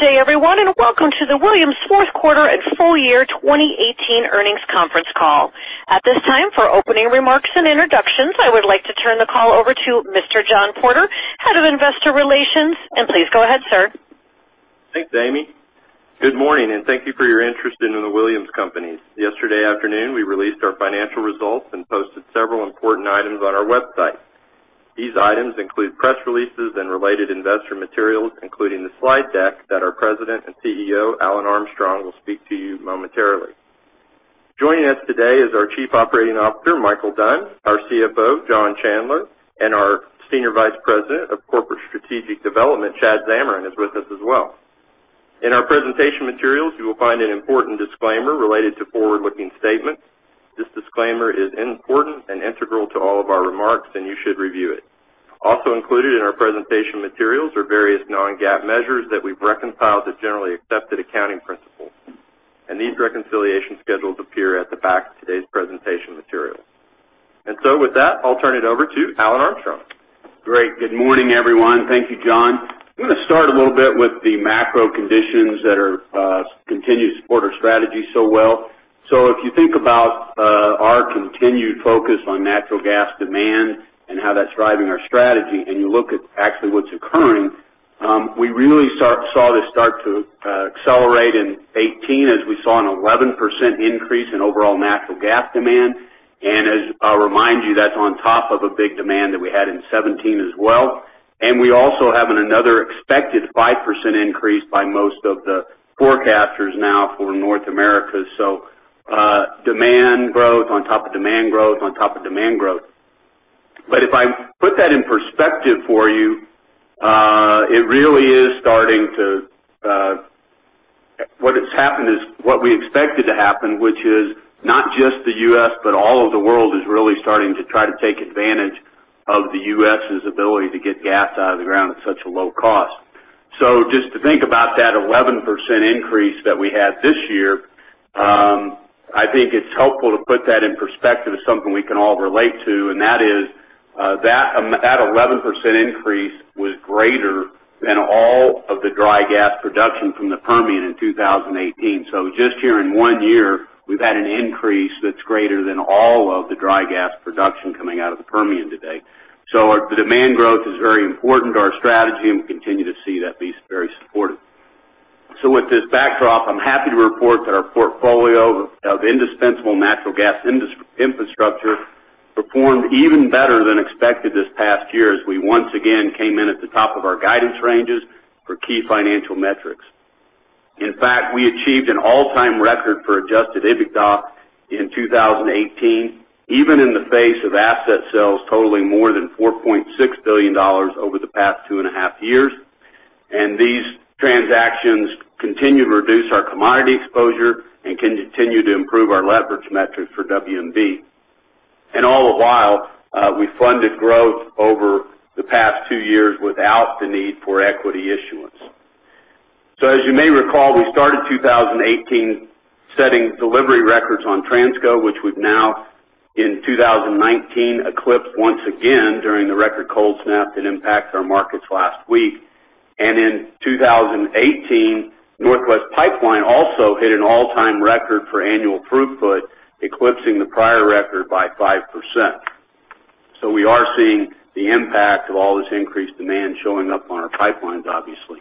Good day everyone, welcome to the Williams fourth quarter and full year 2018 earnings conference call. At this time, for opening remarks and introductions, I would like to turn the call over to Mr. John Porter, head of investor relations. Please go ahead, sir. Thanks, Amy. Good morning, thank you for your interest in The Williams Companies. Yesterday afternoon we released our financial results and posted several important items on our website. These items include press releases and related investor materials, including the slide deck that our President and CEO, Alan Armstrong, will speak to you momentarily. Joining us today is our Chief Operating Officer, Micheal Dunn, our CFO, John Chandler, our Senior Vice President of Corporate Strategic Development, Chad Zamarin, is with us as well. In our presentation materials, you will find an important disclaimer related to forward-looking statements. This disclaimer is important and integral to all of our remarks, you should review it. Also included in our presentation materials are various non-GAAP measures that we've reconciled to generally accepted accounting principles. These reconciliation schedules appear at the back of today's presentation materials. With that, I'll turn it over to Alan Armstrong. Great. Good morning, everyone. Thank you, John. I'm going to start a little bit with the macro conditions that continue to support our strategy so well. If you think about our continued focus on natural gas demand and how that's driving our strategy, you look at actually what's occurring, we really saw this start to accelerate in 2018 as we saw an 11% increase in overall natural gas demand. I'll remind you, that's on top of a big demand that we had in 2017 as well. We also have another expected 5% increase by most of the forecasters now for North America. Demand growth on top of demand growth on top of demand growth. If I put that in perspective for you, what we expected to happen, which is not just the U.S., but all of the world is really starting to try to take advantage of the U.S.'s ability to get gas out of the ground at such a low cost. Just to think about that 11% increase that we had this year, I think it's helpful to put that in perspective of something we can all relate to, and that is that 11% increase was greater than all of the dry gas production from the Permian in 2018. Just here in one year, we've had an increase that's greater than all of the dry gas production coming out of the Permian today. The demand growth is very important to our strategy, and we continue to see that be very supportive. With this backdrop, I'm happy to report that our portfolio of indispensable natural gas infrastructure performed even better than expected this past year as we once again came in at the top of our guidance ranges for key financial metrics. In fact, we achieved an all-time record for adjusted EBITDA in 2018, even in the face of asset sales totaling more than $4.6 billion over the past two and a half years. These transactions continue to reduce our commodity exposure and continue to improve our leverage metrics for WMB. All the while, we funded growth over the past two years without the need for equity issuance. As you may recall, we started 2018 setting delivery records on Transco, which we've now in 2019 eclipsed once again during the record cold snap that impacted our markets last week. In 2018, Northwest Pipeline also hit an all-time record for annual throughput, eclipsing the prior record by 5%. We are seeing the impact of all this increased demand showing up on our pipelines, obviously.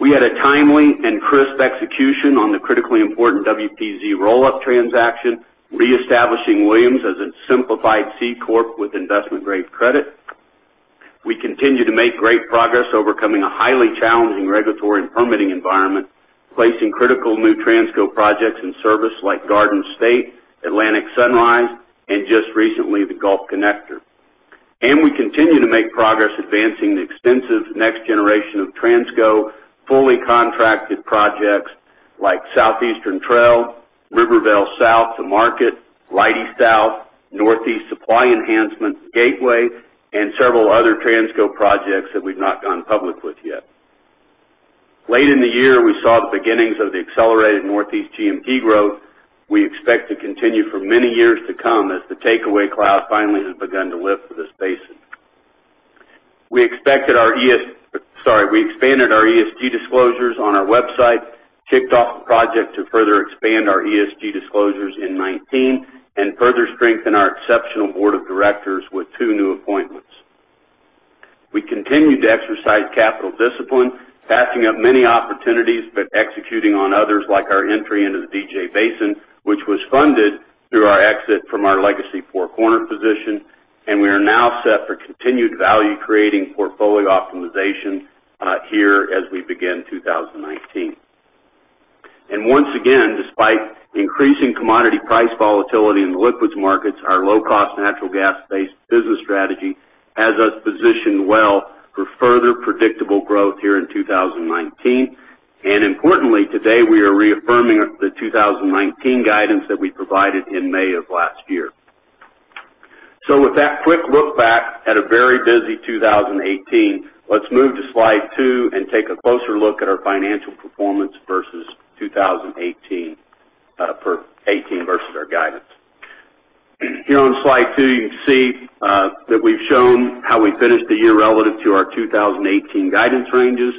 We had a timely and crisp execution on the critically important WPZ roll-up transaction, reestablishing Williams as a simplified C corp with investment-grade credit. We continue to make great progress overcoming a highly challenging regulatory and permitting environment, placing critical new Transco projects in service like Garden State, Atlantic Sunrise, and just recently, the Gulf Connector. We continue to make progress advancing the extensive next generation of Transco fully contracted projects like Southeastern Trail, Rivervale South to Market, Leidy South, Northeast Supply Enhancement, Gateway, and several other Transco projects that we've not gone public with yet. Late in the year, we saw the beginnings of the accelerated Northeast G&P growth we expect to continue for many years to come as the takeaway cloud finally has begun to lift for this basin. We expanded our ESG disclosures on our website, kicked off a project to further expand our ESG disclosures in 2019, and further strengthened our exceptional board of directors with two new appointments. We continued to exercise capital discipline, passing up many opportunities, but executing on others like our entry into the DJ Basin, which was funded through our exit from our Legacy Four Corner position. We are now set for continued value-creating portfolio optimization here as we begin 2019. Once again, despite increasing commodity price volatility in the liquids markets, our low-cost natural gas-based business strategy has us positioned well for further predictable growth here in 2019. Importantly, today we are reaffirming the 2019 guidance that we provided in May of last year. With that quick look back at a very busy 2018, let's move to slide two and take a closer look at our financial performance versus 2018 versus our guidance. Here on slide two, you can see that we've shown how we finished the year relative to our 2018 guidance ranges.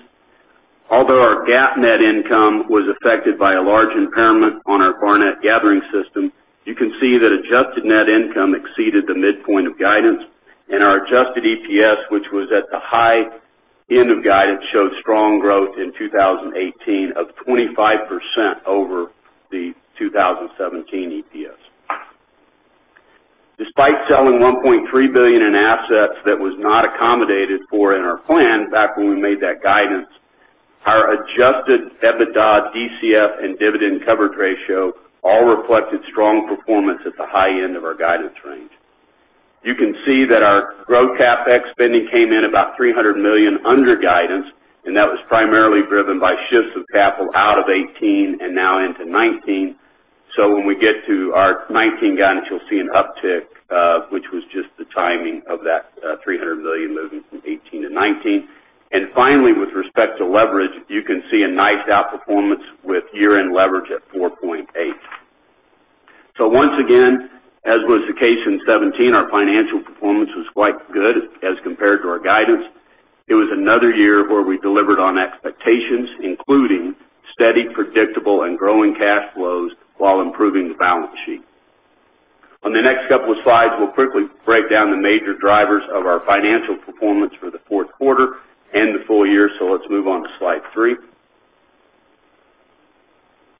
Although our GAAP net income was affected by a large impairment on our Barnett Gathering system, you can see that adjusted net income exceeded the midpoint of guidance. Our adjusted EPS, which was at the high end of guidance, showed strong growth in 2018 of 25% over the 2017 EPS. Despite selling $1.3 billion in assets that was not accommodated for in our plan back when we made that guidance, our adjusted EBITDA, DCF, and dividend coverage ratio all reflected strong performance at the high end of our guidance range. You can see that our growth CapEx spending came in about $300 million under guidance, that was primarily driven by shifts of capital out of 2018 and now into 2019. When we get to our 2019 guidance, you'll see an uptick, which was just the timing of that $300 million moving from 2018 to 2019. Finally, with respect to leverage, you can see a nice outperformance with year-end leverage at 4.8. Once again, as was the case in 2017, our financial performance was quite good as compared to our guidance. It was another year where we delivered on expectations, including steady, predictable, and growing cash flows while improving the balance sheet. On the next couple of slides, we'll quickly break down the major drivers of our financial performance for the fourth quarter and the full year. Let's move on to slide three.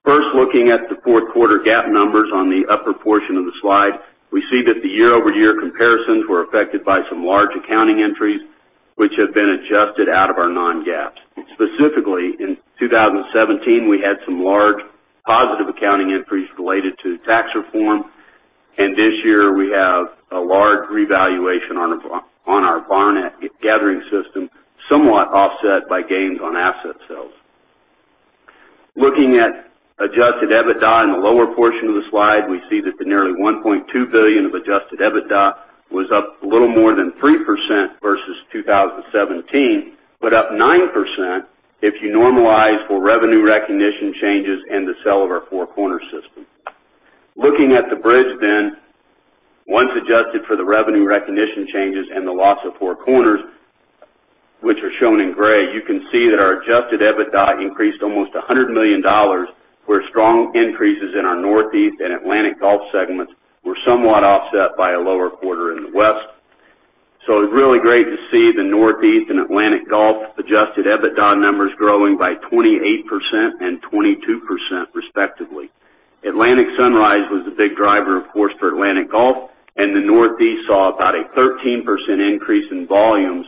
First, looking at the fourth quarter GAAP numbers on the upper portion of the slide, we see that the year-over-year comparisons were affected by some large accounting entries, which have been adjusted out of our non-GAAP. Specifically, in 2017, we had some large positive accounting entries related to tax reform, and this year we have a large revaluation on our Barnett Gathering system, somewhat offset by gains on asset sales. Looking at adjusted EBITDA in the lower portion of the slide, we see that the nearly $1.2 billion of adjusted EBITDA was up a little more than 3% versus 2017, but up 9% if you normalize for revenue recognition changes and the sale of our Four Corners system. Looking at the bridge, once adjusted for the revenue recognition changes and the loss of Four Corners, which are shown in gray, you can see that our adjusted EBITDA increased almost $100 million, where strong increases in our Northeast and Atlantic-Gulf segments were somewhat offset by a lower quarter in the West. It's really great to see the Northeast and Atlantic-Gulf adjusted EBITDA numbers growing by 28% and 22% respectively. Atlantic Sunrise was the big driver, of course, for Atlantic-Gulf, and the Northeast saw about a 13% increase in volumes,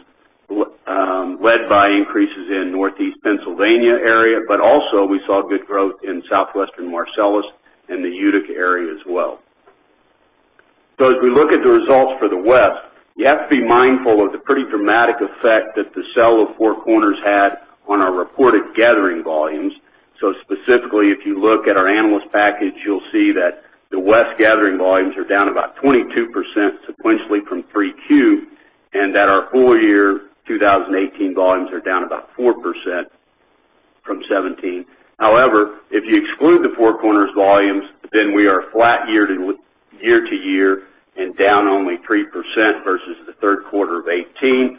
led by increases in Northeast Pennsylvania area. Also we saw good growth in Southwest Marcellus and the Utica area as well. As we look at the results for the West, you have to be mindful of the pretty dramatic effect that the sale of Four Corners had on our reported gathering volumes. Specifically, if you look at our analyst package, you will see that the West gathering volumes are down about 22% sequentially from 3Q, and that our full year 2018 volumes are down about 4% from 2017. However, if you exclude the Four Corners volumes, we are flat year-to-year and down only 3% versus the third quarter of 2018.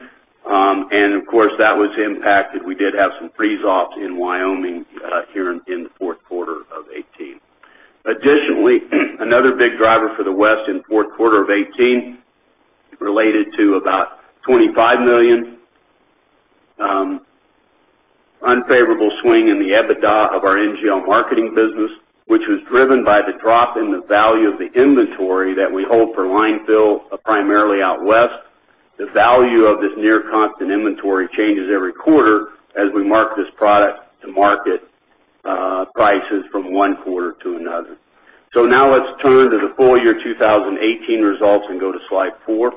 Of course, that was impacted. We did have some freeze-offs in Wyoming here in the fourth quarter of 2018. Additionally, another big driver for the West in the fourth quarter of 2018 related to about $25 million unfavorable swing in the EBITDA of our NGL marketing business, which was driven by the drop in the value of the inventory that we hold for line fill, primarily out West. The value of this near constant inventory changes every quarter as we mark this product to market prices from one quarter to another. Now let's turn to the full year 2018 results and go to slide four.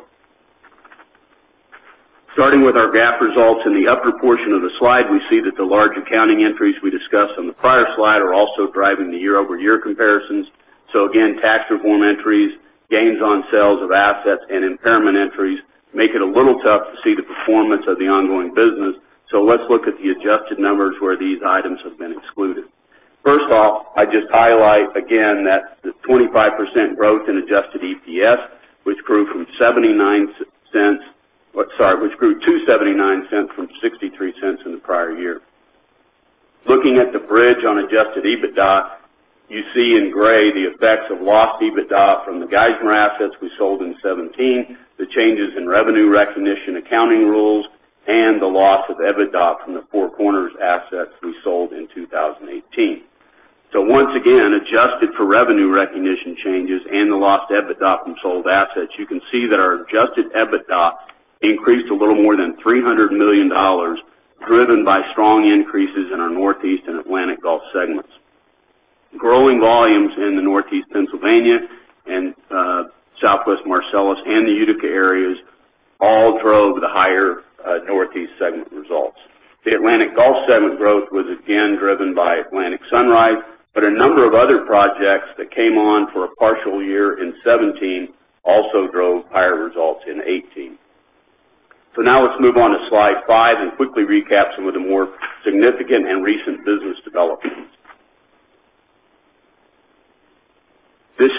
Starting with our GAAP results in the upper portion of the slide, we see that the large accounting entries we discussed on the prior slide are also driving the year-over-year comparisons. Again, tax reform entries, gains on sales of assets, and impairment entries make it a little tough to see the performance of the ongoing business. Let's look at the adjusted numbers where these items have been excluded. First off, I just highlight again that the 25% growth in adjusted EPS, which grew from $0.79, which grew to $0.79 from $0.63 in the prior year. Looking at the bridge on adjusted EBITDA, you see in gray the effects of lost EBITDA from the Geismar assets we sold in 2017, the changes in revenue recognition accounting rules, and the loss of EBITDA from the Four Corners assets we sold in 2018. Once again, adjusted for revenue recognition changes and the lost EBITDA from sold assets, you can see that our adjusted EBITDA increased a little more than $300 million, driven by strong increases in our Northeast and Atlantic-Gulf segments. Growing volumes in the Northeast Pennsylvania and Southwest Marcellus and the Utica areas all drove the higher Northeast segment results. The Atlantic-Gulf segment growth was again driven by Atlantic Sunrise, a number of other projects that came on for a partial year in 2017 also drove higher results in 2018. Now let's move on to slide five and quickly recap some of the more significant and recent business developments. This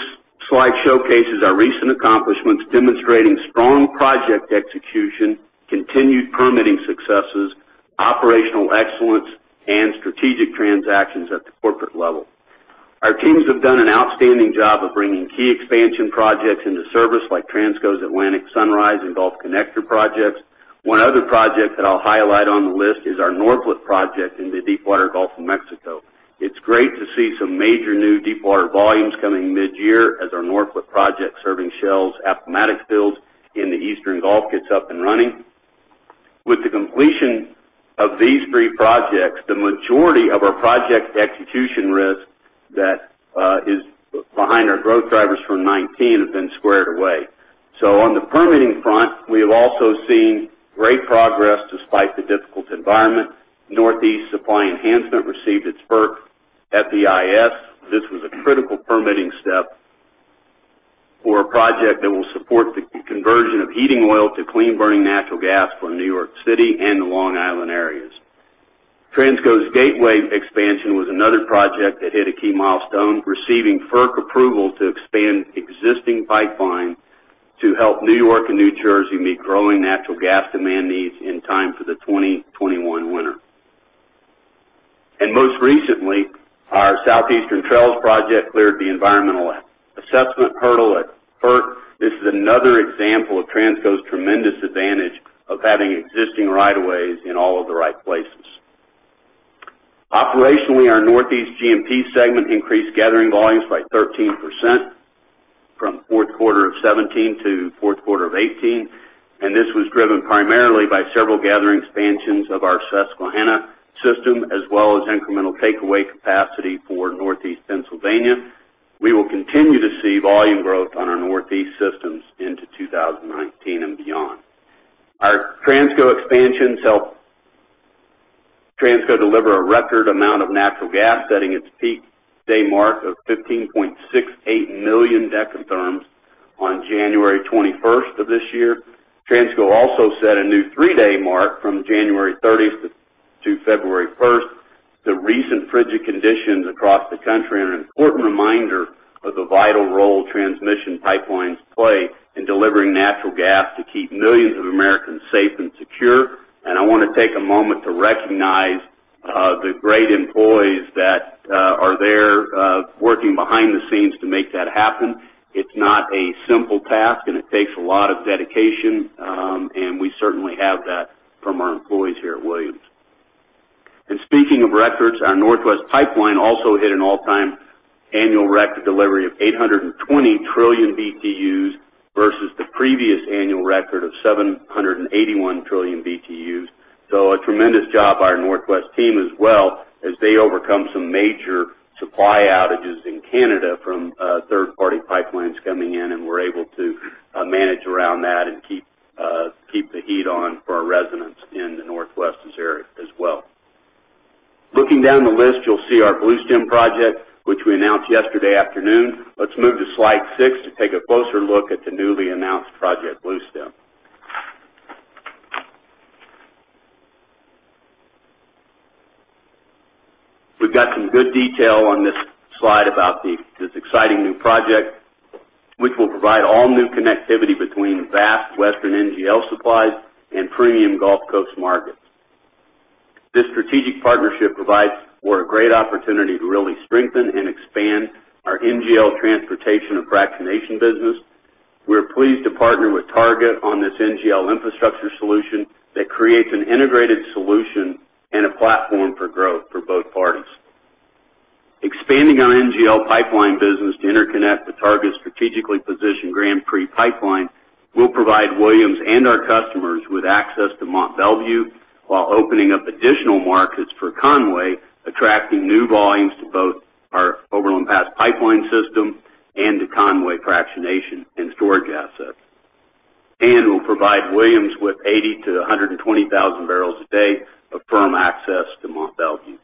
slide showcases our recent accomplishments, demonstrating strong project execution, continued permitting successes, operational excellence, and strategic transactions at the corporate level. Our teams have done an outstanding job of bringing key expansion projects into service like Transco's Atlantic Sunrise and Gulf Connector projects. One other project that I will highlight on the list is our Norphlet project in the Deepwater Gulf of Mexico. It is great to see some major new deepwater volumes coming mid-year as our Norphlet project serving Shell's Appomattox fields in the Eastern Gulf gets up and running. With the completion of these three projects, the majority of our project execution risk that is behind our growth drivers from 2019 have been squared away. On the permitting front, we have also seen great progress despite the difficult environment. Northeast Supply Enhancement received its FERC FEIS. This was a critical permitting step for a project that will support the conversion of heating oil to clean-burning natural gas for New York City and the Long Island areas. Transco's Gateway Expansion was another project that hit a key milestone, receiving FERC approval to expand existing pipeline to help New York and New Jersey meet growing natural gas demand needs in time for the 2021 winter. Most recently, our Southeastern Trail project cleared the environmental assessment hurdle at FERC. This is another example of Transco's tremendous advantage of having existing right-of-ways in all of the right places. Operationally, our Northeast G&P segment increased gathering volumes by 13% from fourth quarter of 2017 to fourth quarter of 2018. This was driven primarily by several gathering expansions of our Susquehanna system, as well as incremental takeaway capacity for Northeast Pennsylvania. We will continue to see volume growth on our Northeast systems into 2019 and beyond. Our Transco expansions helped Transco deliver a record amount of natural gas, setting its peak day mark of 15.68 million decatherms on January 21st of this year. Transco also set a new three-day mark from January 30th to February 1st. The recent frigid conditions across the country are an important reminder of the vital role transmission pipelines play in delivering natural gas to keep millions of Americans safe and secure. I want to take a moment to recognize the great employees that are there working behind the scenes to make that happen. It's not a simple task, and it takes a lot of dedication, and we certainly have that from our employees here at Williams. Speaking of records, our Northwest Pipeline also hit an all-time annual record delivery of 820 trillion BTUs versus the previous annual record of 781 trillion BTUs. A tremendous job by our Northwest team as well as they overcome some major supply outages in Canada from third-party pipelines coming in, and we're able to manage around that and keep the heat on for our residents in the Northwestern area as well. Looking down the list, you'll see our Bluestem project, which we announced yesterday afternoon. Let's move to slide six to take a closer look at the newly announced project Bluestem. We've got some good detail on this slide about this exciting new project, which will provide all new connectivity between vast Western NGL supplies and premium Gulf Coast markets. This strategic partnership provides for a great opportunity to really strengthen and expand our NGL transportation and fractionation business. We're pleased to partner with Targa on this NGL infrastructure solution that creates an integrated solution and a platform for growth for both parties. Expanding our NGL pipeline business to interconnect with Targa's strategically positioned Grand Prix Pipeline will provide Williams and our customers with access to Mont Belvieu while opening up additional markets for Conway, attracting new volumes to both our Overland Pass Pipeline system and to Conway fractionation and storage assets. Will provide Williams with 80,000-120,000 barrels a day of firm access to Mont Belvieu.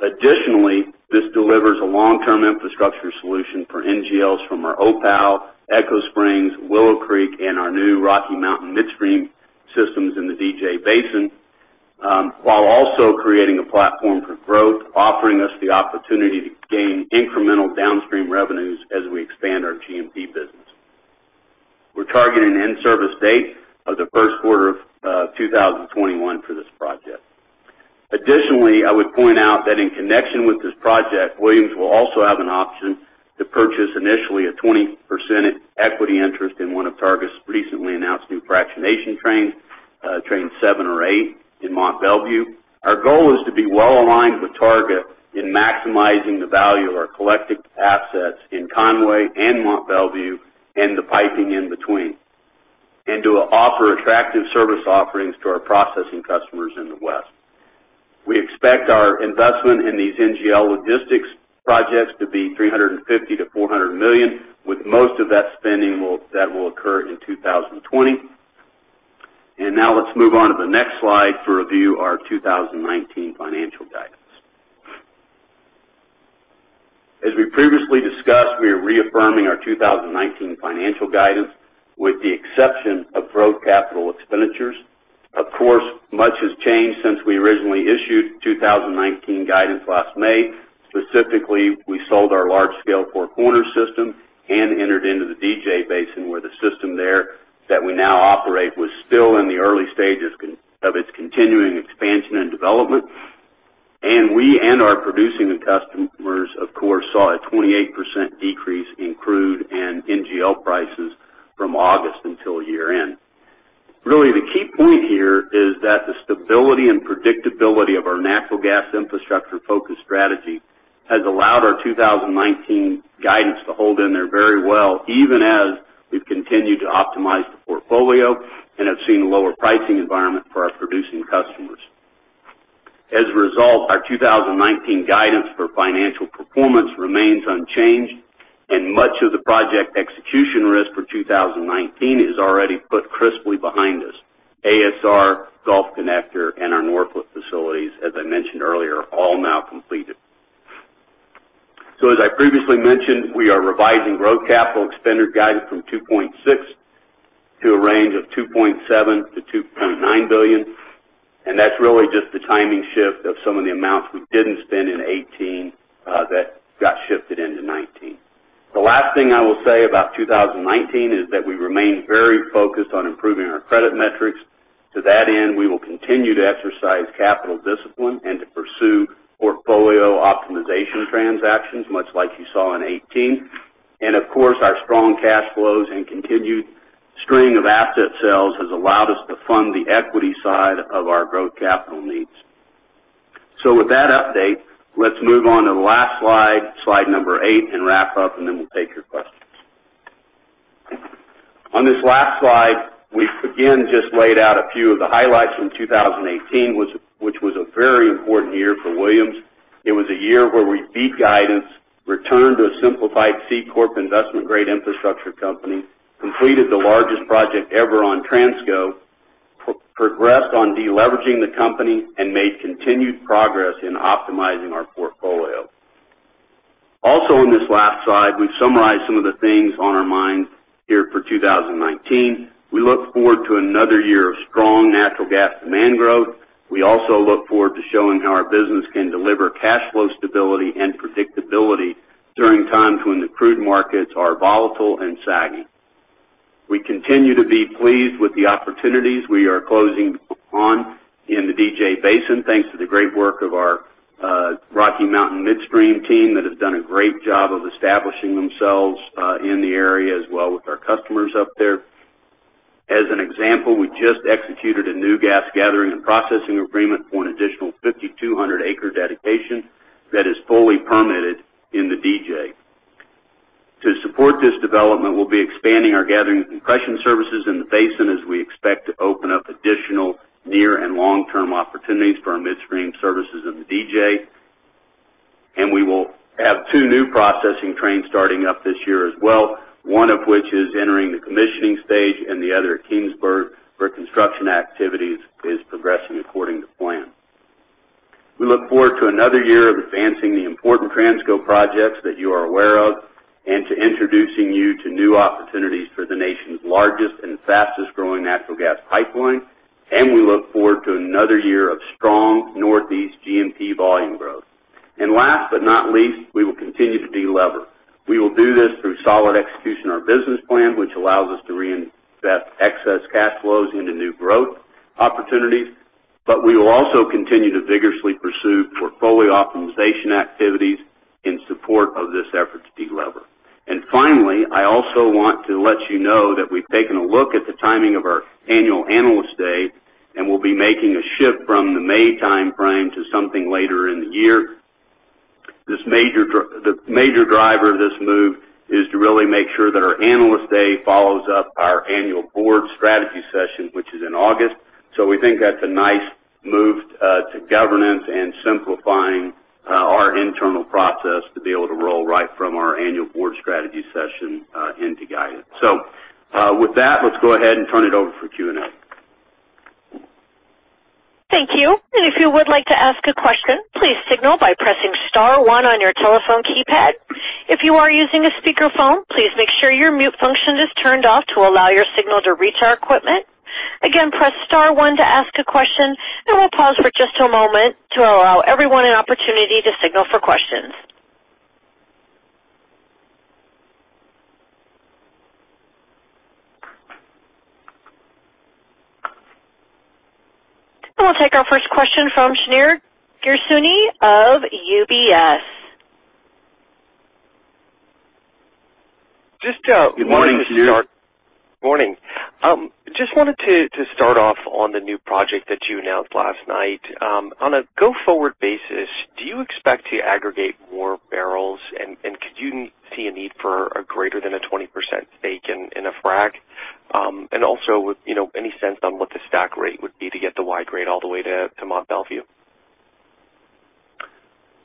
Additionally, this delivers a long-term infrastructure solution for NGLs from our Opal, Echo Springs, Willow Creek, and our new Rocky Mountain Midstream systems in the DJ Basin, while also creating a platform for growth, offering us the opportunity to gain incremental downstream revenues as we expand our G&P business. We're targeting an in-service date of the first quarter of 2021 for this project. Additionally, I would point out that in connection with this project, Williams will also have an option to purchase initially a 20% equity interest in one of Targa's recently announced new fractionation trains, train 7 or 8 in Mont Belvieu. Our goal is to be well-aligned with Targa in maximizing the value of our collective assets in Conway and Mont Belvieu and the piping in between, and to offer attractive service offerings to our processing customers in the West. We expect our investment in these NGL logistics projects to be $350 million-$400 million, with most of that spending that will occur in 2020. Now let's move on to the next slide to review our 2019 financial guidance. We previously discussed we are reaffirming our 2019 financial guidance with the exception of growth capital expenditures. Of course, much has changed since we originally issued 2019 guidance last May. Specifically, we sold our large-scale Four Corners system and entered into the DJ Basin, where the system there that we now operate was still in the early stages of its continuing expansion and development. We and our producing customers, of course, saw a 28% decrease in crude and NGL prices from August until year-end. Really, the key point here is that the stability and predictability of our natural gas infrastructure-focused strategy has allowed our 2019 guidance to hold in there very well, even as we've continued to optimize the portfolio and have seen a lower pricing environment for our producing customers. As a result, our 2019 guidance for financial performance remains unchanged, and much of the project execution risk for 2019 is already put crisply behind us. ASR, Gulf Connector, and our Norphlet facilities, as I mentioned earlier, all now completed. As I previously mentioned, we are revising growth capital expenditure guidance from $2.6 billion to a range of $2.7 billion-$2.9 billion. That's really just the timing shift of some of the amounts we didn't spend in 2018 that got shifted into 2019. The last thing I will say about 2019 is that we remain very focused on improving our credit metrics. To that end, we will continue to exercise capital discipline and to pursue portfolio optimization transactions, much like you saw in 2018. Of course, our strong cash flows and continued string of asset sales has allowed us to fund the equity side of our growth capital needs. With that update, let's move on to the last slide number eight, and wrap up, and then we'll take your questions. On this last slide, we again just laid out a few of the highlights from 2018, which was a very important year for Williams. It was a year where we beat guidance, returned to a simplified C corp investment-grade infrastructure company, completed the largest project ever on Transco, progressed on de-leveraging the company, and made continued progress in optimizing our portfolio. Also on this last slide, we've summarized some of the things on our minds here for 2019. We look forward to another year of strong natural gas demand growth. We also look forward to showing how our business can deliver cash flow stability and predictability during times when the crude markets are volatile and sagging. We continue to be pleased with the opportunities we are closing on in the DJ Basin, thanks to the great work of our Rocky Mountain Midstream team that has done a great job of establishing themselves in the area as well with our customers up there. As an example, we just executed a new gas gathering and processing agreement for an additional 5,200-acre dedication that is fully permitted in the DJ. To support this development, we'll be expanding our gathering and compression services in the basin as we expect to open up additional near and long-term opportunities for our midstream services in the DJ. We will have two new processing trains starting up this year as well, one of which is entering the commissioning stage and the other at Kingfisher, where construction activities is progressing according to plan. We look forward to another year of advancing the important Transco projects that you are aware of and to introducing you to new opportunities for the nation's largest and fastest-growing natural gas pipeline. We look forward to another year of strong Northeast G&P volume growth. Last but not least, we will continue to de-lever. We will do this through solid execution of our business plan, which allows us to reinvest excess cash flows into new growth opportunities. We will also continue to vigorously pursue portfolio optimization activities in support of this effort to de-lever. Finally, I also want to let you know that we've taken a look at the timing of our annual Analyst Day, and we'll be making a shift from the May timeframe to something later in the year. The major driver of this move is to really make sure that our Analyst Day follows up our annual board strategy session, which is in August. We think that's a nice move to governance and simplifying our internal process to be able to roll right from our annual board strategy session into guidance. With that, let's go ahead and turn it over for Q&A. Thank you. If you would like to ask a question, please signal by pressing *1 on your telephone keypad. If you are using a speakerphone, please make sure your mute function is turned off to allow your signal to reach our equipment. Again, press *1 to ask a question, and we'll pause for just a moment to allow everyone an opportunity to signal for questions. We'll take our first question from Shneur Gershuny of UBS. Good morning, Shneur. Morning. Just wanted to start off on the new project that you announced last night. On a go-forward basis, do you expect to aggregate more barrels? Could you see a need for a greater than a 20% stake in a frack? Any sense on what the stack rate would be to get the Y-grade all the way to Mont Belvieu?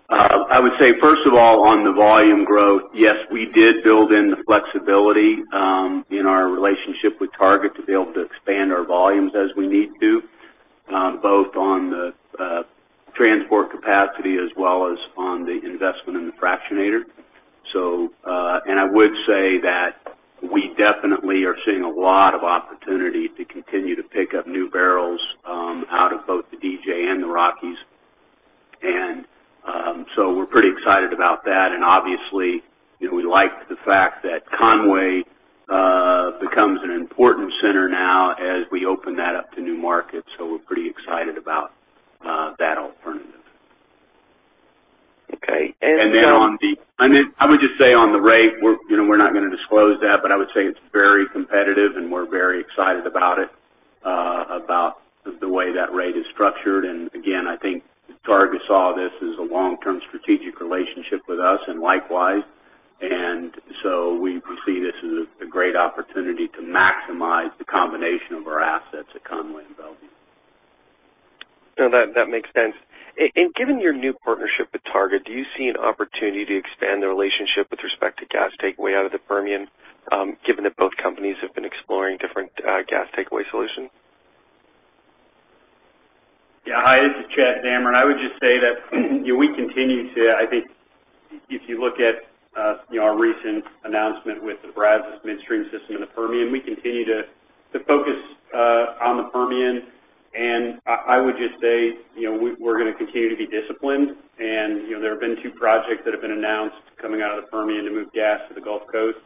I would say, first of all, on the volume growth, yes, we did build in the flexibility in our relationship with Targa to be able to expand our volumes as we need to. Both on the transport capacity as well as on the investment in the fractionator. I would say that we definitely are seeing a lot of opportunity to continue to pick up new barrels out of both the DJ and the Rockies. We're pretty excited about that. Obviously, we like the fact that Conway becomes an important center now as we open that up to new markets. We're pretty excited about that alternative. Okay. I would just say on the rate, we're not going to disclose that, but I would say it's very competitive, and we're very excited about it, about the way that rate is structured. I think Targa saw this as a long-term strategic relationship with us and likewise. We see this as a great opportunity to maximize the combination of our assets at Conway and Mont Belvieu. No, that makes sense. Given your new partnership with Targa, do you see an opportunity to expand the relationship with respect to gas takeaway out of the Permian, given that both companies have been exploring different gas takeaway solutions? Yeah. Hi, this is Chad Zamarin. I would just say that we continue to I think if you look at our recent announcement with the Brazos Midstream system in the Permian, we continue to focus on the Permian. I would just say we're going to continue to be disciplined. There have been 2 projects that have been announced coming out of the Permian to move gas to the Gulf Coast.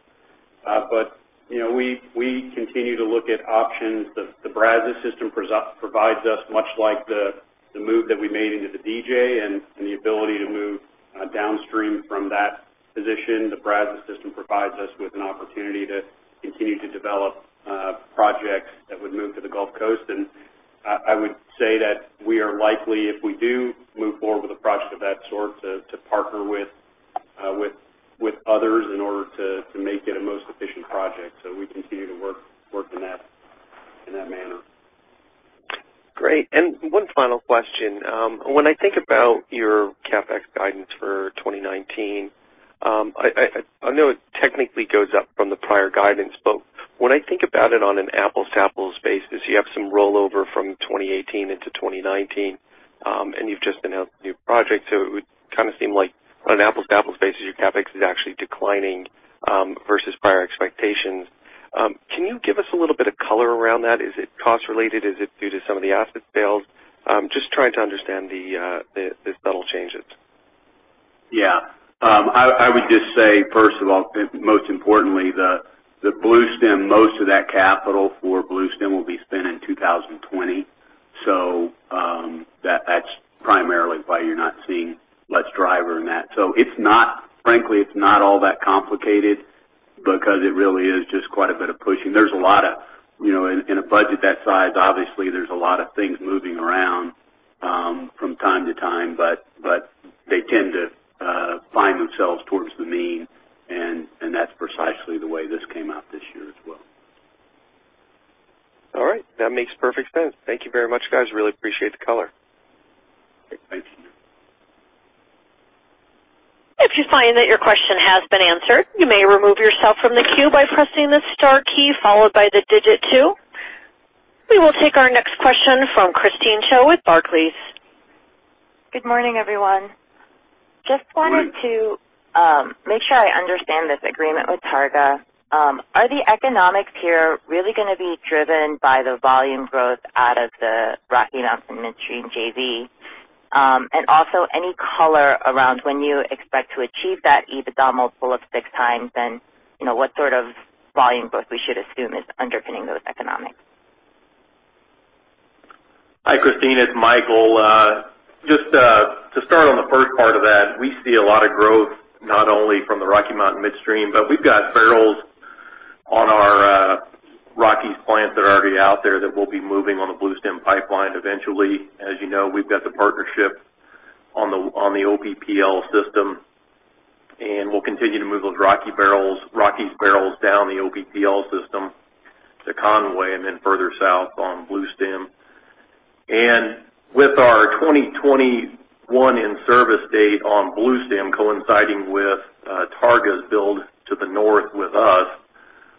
We continue to look at options. The Brazos system provides us, much like the move that we made into the DJ and the ability to move downstream from that position. The Brazos system provides us with an opportunity to continue to develop projects that would move to the Gulf Coast. I would say that we are likely, if we do move forward with a project of that sort, to partner with others in order to make it a most efficient project. We continue to work in that manner. One final question. When I think about your CapEx guidance for 2019, I know it technically goes up from the prior guidance, but when I think about it on an apples-to-apples basis, you have some rollover from 2018 into 2019. You've just announced a new project, so it would seem like on an apples-to-apples basis, your CapEx is actually declining versus prior expectations. Can you give us a little bit of color around that? Is it cost related? Is it due to some of the asset sales? Just trying to understand the subtle changes. Yeah. I would just say, first of all, most importantly, the Bluestem, most of that capital for Bluestem will be spent in 2020. That's primarily why you're not seeing much driver in that. Frankly, it's not all that complicated because it really is just quite a bit of pushing. In a budget that size, obviously, there's a lot of things moving around from time to time, but they tend to find themselves towards the mean, and that's precisely the way this came out this year as well. All right. That makes perfect sense. Thank you very much, guys. Really appreciate the color. Thank you. If you find that your question has been answered, you may remove yourself from the queue by pressing the star key followed by the digit two. We will take our next question from Christine Cho with Barclays. Good morning, everyone. Just wanted to make sure I understand this agreement with Targa. Are the economics here really gonna be driven by the volume growth out of the Rocky Mountain Midstream JV? Any color around when you expect to achieve that EBITDA multiple of six times, and what sort of volume growth we should assume is underpinning those economics? Hi, Christine, it's Micheal. Just to start on the first part of that, we see a lot of growth not only from the Rocky Mountain Midstream, but we've got barrels on our Rockies plant that are already out there that will be moving on the Bluestem Pipeline eventually. As you know, we've got the partnership on the OPPL system, and we'll continue to move those Rockies barrels down the OPPL system to Conway then further south on Bluestem. With our 2021 in-service date on Bluestem coinciding with Targa's build to the north with us,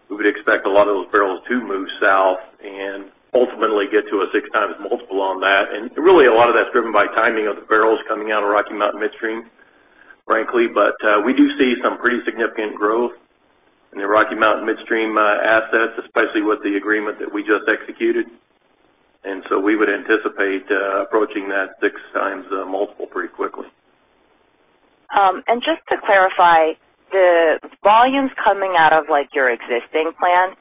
we would expect a lot of those barrels to move south and ultimately get to a six times multiple on that. Really a lot of that's driven by timing of the barrels coming out of Rocky Mountain Midstream, frankly. We do see some pretty significant growth in the Rocky Mountain Midstream assets, especially with the agreement that we just executed. So we would anticipate approaching that six times multiple pretty quickly. Just to clarify, the volumes coming out of your existing plants,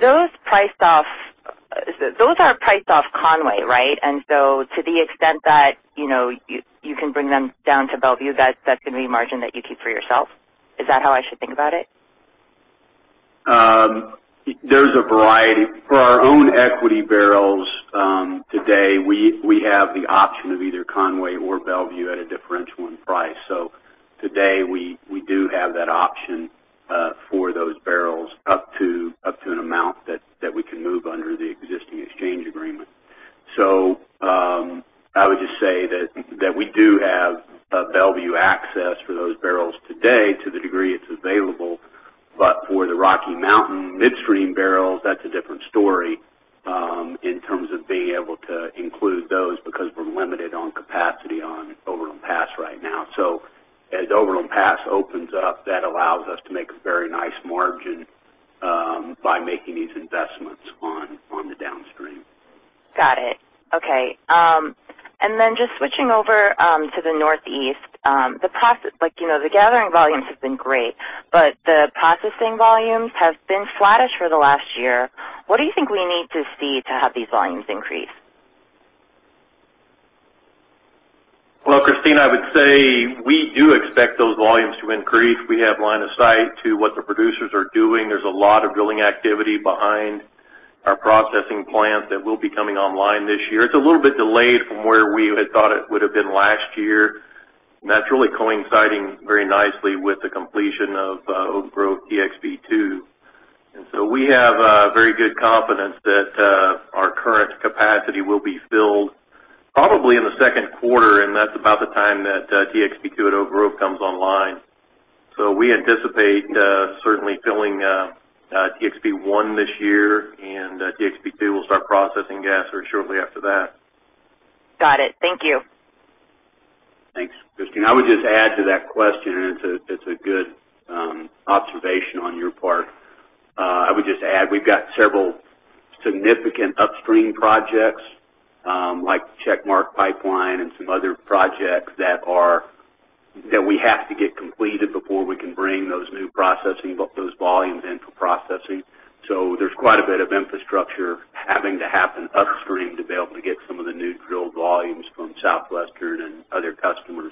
those are priced off Conway, right? To the extent that you can bring them down to Mont Belvieu, that's going to be margin that you keep for yourself. Is that how I should think about it? There's a variety. For our own equity barrels today, we have the option of either Conway or Bellevue at a differential in price. Today, we do have that option for those barrels up to an amount that we can move under the existing exchange agreement. I would just say that we do have Bellevue access for those barrels today to the degree it's available. But for the Rocky Mountain Midstream barrels, that's a different story in terms of being able to include those because we're limited on capacity on Overland Pass right now. As Overland Pass opens up, that allows us to make a very nice margin by making these investments on the downstream. Got it. Okay. Just switching over to the Northeast. The gathering volumes have been great, but the processing volumes have been flattish for the last year. What do you think we need to see to have these volumes increase? Christine, I would say we do expect those volumes to increase. We have line of sight to what the producers are doing. There's a lot of drilling activity behind our processing plant that will be coming online this year. It's a little bit delayed from where we had thought it would have been last year. That's really coinciding very nicely with the completion of Oak Grove TXP-2. We have very good confidence that our current capacity will be filled probably in the second quarter, and that's about the time that TXP-2 at Oak Grove comes online. We anticipate certainly filling TXP-1 this year, and TXP-2 will start processing gas very shortly after that. Got it. Thank you. Thanks, Christine. I would just add to that question. It's a good observation on your part. I would just add, we've got several significant upstream projects, like Checkmark Pipeline and some other projects that we have to get completed before we can bring those volumes in for processing. There's quite a bit of infrastructure having to happen upstream to be able to get some of the new drilled volumes from Southwestern and other customers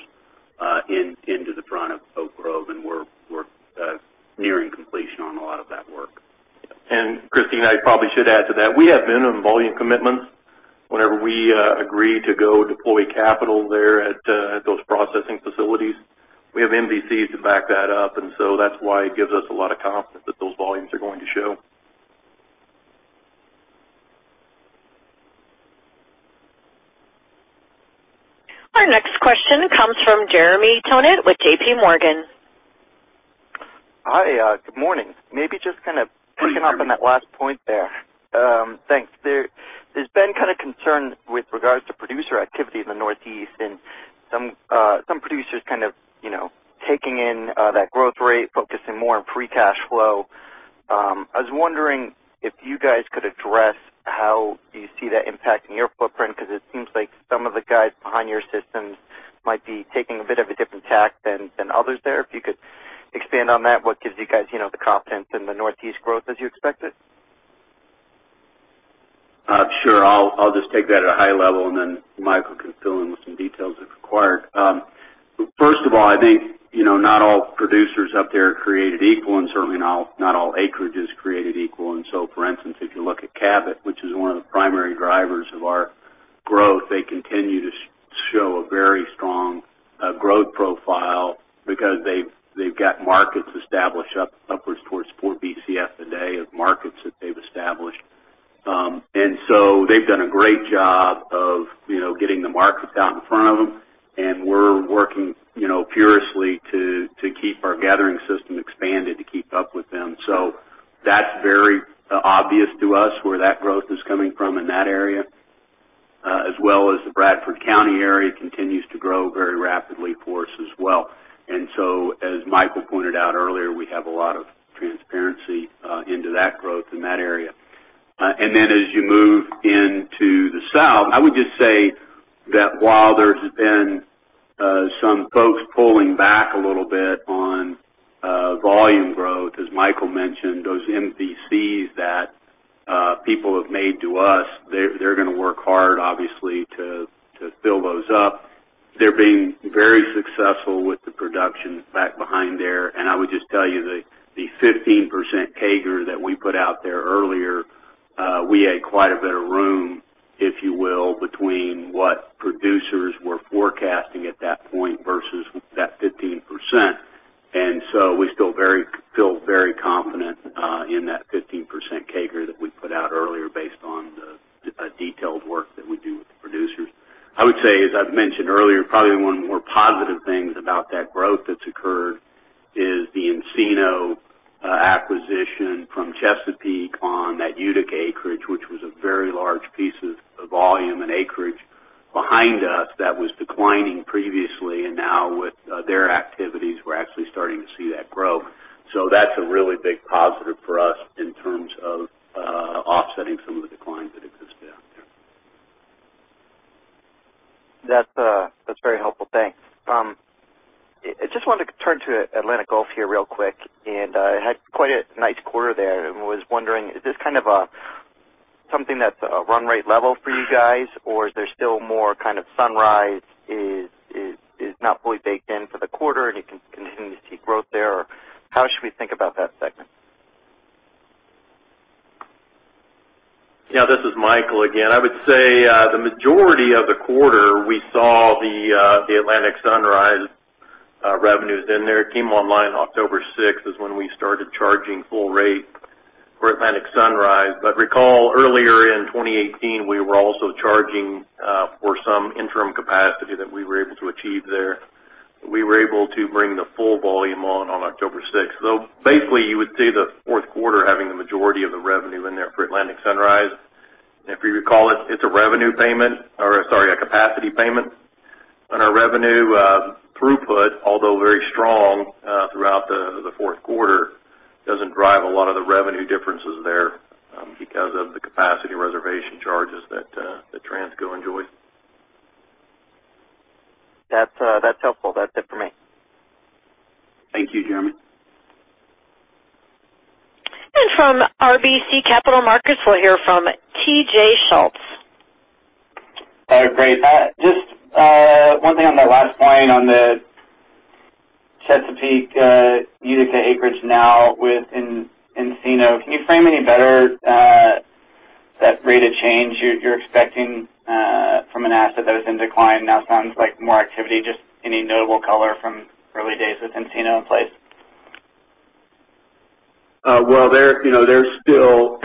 into the front of Oak Grove, and we're nearing completion on a lot of that work. Christine, I probably should add to that. We have minimum volume commitments whenever we agree to go deploy capital there at those processing facilities. We have MVCs to back that up, that's why it gives us a lot of confidence that those volumes are going to show. Our next question comes from Jeremy Tonet with JP Morgan. Hi, good morning. Maybe just kind of picking up on that last point there. Thanks. There's been concern with regards to producer activity in the Northeast and some producers kind of taking in that growth rate, focusing more on free cash flow. I was wondering if you guys could address how you see that impacting your footprint, because it seems like some of the guys behind your systems might be taking a bit of a different tack than others there. If you could expand on that, what gives you guys the confidence in the Northeast growth as you expect it? Sure. I'll just take that at a high level, and then Micheal can fill in with some details if required. First of all, I think, not all producers up there are created equal, and certainly not all acreage is created equal. For instance, if you look at Cabot, which is one of the primary drivers of our growth, they continue to show a very strong growth profile because they've got markets established upwards towards four Bcf a day of markets that they've established. They've done a great job of getting the markets out in front of them, and we're working furiously to keep our gathering system expanded to keep up with them. That's very obvious to us where that growth is coming from in that area. As well as the Bradford County area continues to grow very rapidly for us as well. As Michael pointed out earlier, we have a lot of transparency into that growth in that area. As you move into the South, I would just say that while there's been some folks pulling back a little bit on volume growth, as Michael mentioned, those MVCs that people have made to us, they're going to work hard, obviously, to fill those up. They're being very successful with the production back behind there. I would just tell you, the 15% CAGR that we put out there earlier, we had quite a bit of room, if you will, between what producers were forecasting at that point versus that 15%. We feel very confident in that 15% CAGR that we put out earlier based on the detailed work that we do with the producers. I would say, as I've mentioned earlier, probably one of the more positive things about that growth that's occurred is the Encino acquisition from Chesapeake on that Utica acreage, which was a very large piece of volume and acreage behind us that was declining previously. Now with their activities, we're actually starting to see that grow. That's a really big positive for us in terms of offsetting some of the declines that exist out there. That's very helpful. Thanks. I just wanted to turn to Atlantic-Gulf here real quick, and had quite a nice quarter there and was wondering, is this something that's a run rate level for you guys, or is there still more kind of Atlantic Sunrise is not fully baked in for the quarter and you can continue to see growth there, or how should we think about that segment? Yeah, this is Michael again. I would say the majority of the quarter, we saw the Atlantic Sunrise revenues in there. It came online October 6th is when we started charging full rate for Atlantic Sunrise. Recall earlier in 2018, we were also charging Interim capacity that we were able to achieve there. We were able to bring the full volume on October 6th. Basically, you would see the fourth quarter having the majority of the revenue in there for Atlantic Sunrise. If you recall, it's a revenue payment or, sorry, a capacity payment. Our revenue throughput, although very strong throughout the fourth quarter, doesn't drive a lot of the revenue differences there because of the capacity reservation charges that Transco enjoys. That's helpful. That's it for me. Thank you, Jeremy. From RBC Capital Markets, we'll hear from TJ Schultz. All right, great. Alan just one thing on that last point on the Chesapeake, Utica acreage now with Encino. Can you frame any better that rate of change you're expecting from an asset that was in decline, now sounds like more activity, just any notable color from early days with Encino in place? They're still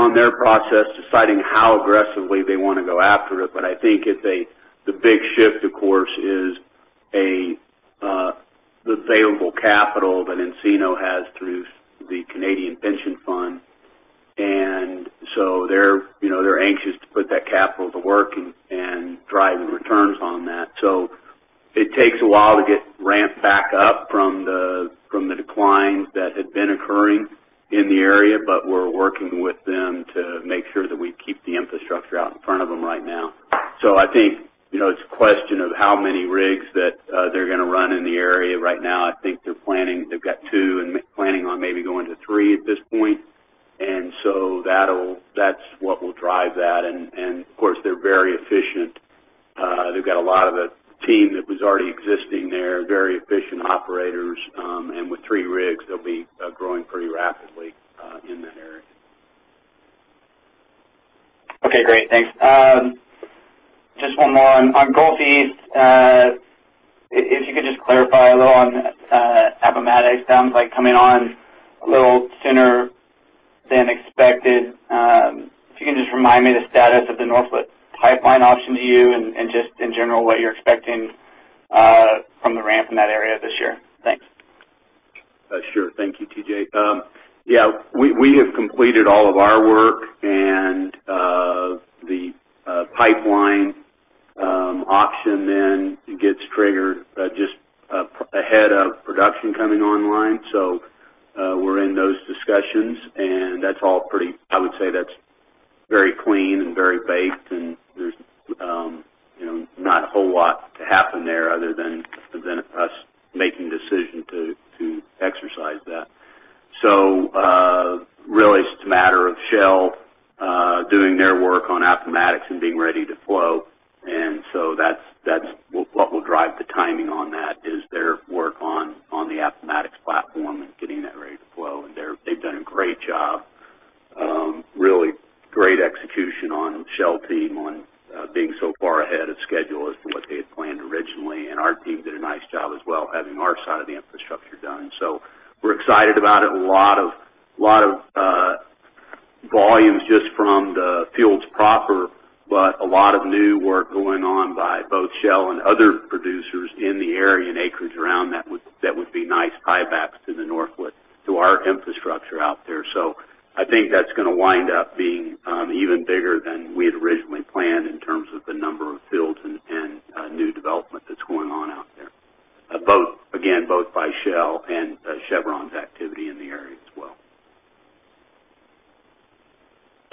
on their process deciding how aggressively they want to go after it. I think the big shift, of course, is the available capital that Encino has through the Canadian pension fund. They're anxious to put that capital to work and drive the returns on that. It takes a while to get ramped back up from the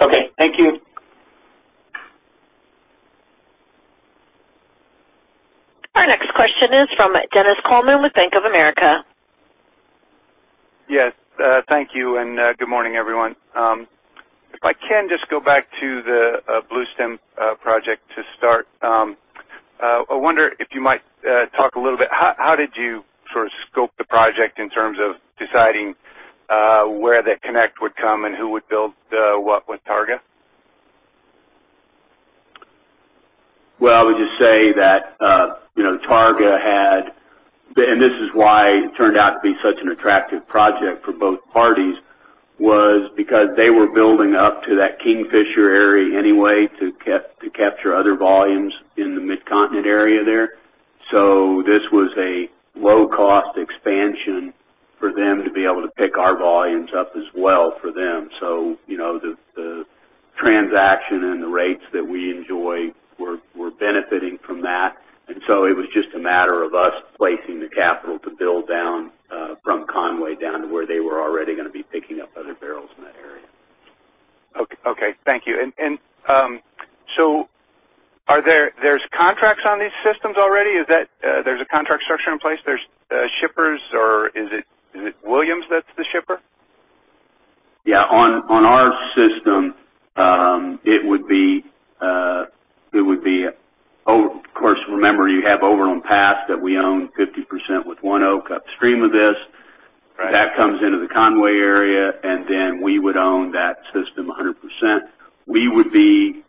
as well. Okay. Thank you. Our next question is from Dennis Coleman with Bank of America. Yes. Thank you. Good morning, everyone. If I can just go back to the Bluestem project to start. I wonder if you might talk a little bit, how did you sort of scope the project in terms of deciding where the connect would come and who would build what with Targa? I would just say that Targa had This is why it turned out to be such an attractive project for both parties, was because they were building up to that Kingfisher area anyway to capture other volumes in the Mid-Continent area there. This was a low-cost expansion for them to be able to pick our volumes up as well for them. It was just a matter of us placing the capital to build down from Conway down to where they were already going to be picking up other barrels in that area. Okay. Thank you. There's contracts on these systems already? There's a contract structure in place? There's shippers, or is it Williams that's the shipper? Yeah. On our system, it would be Of course, remember, you have Overland Pass that we own 50% with ONEOK upstream of this. Right. That comes into the Conway area. We would own that system 100%. In terms of shipping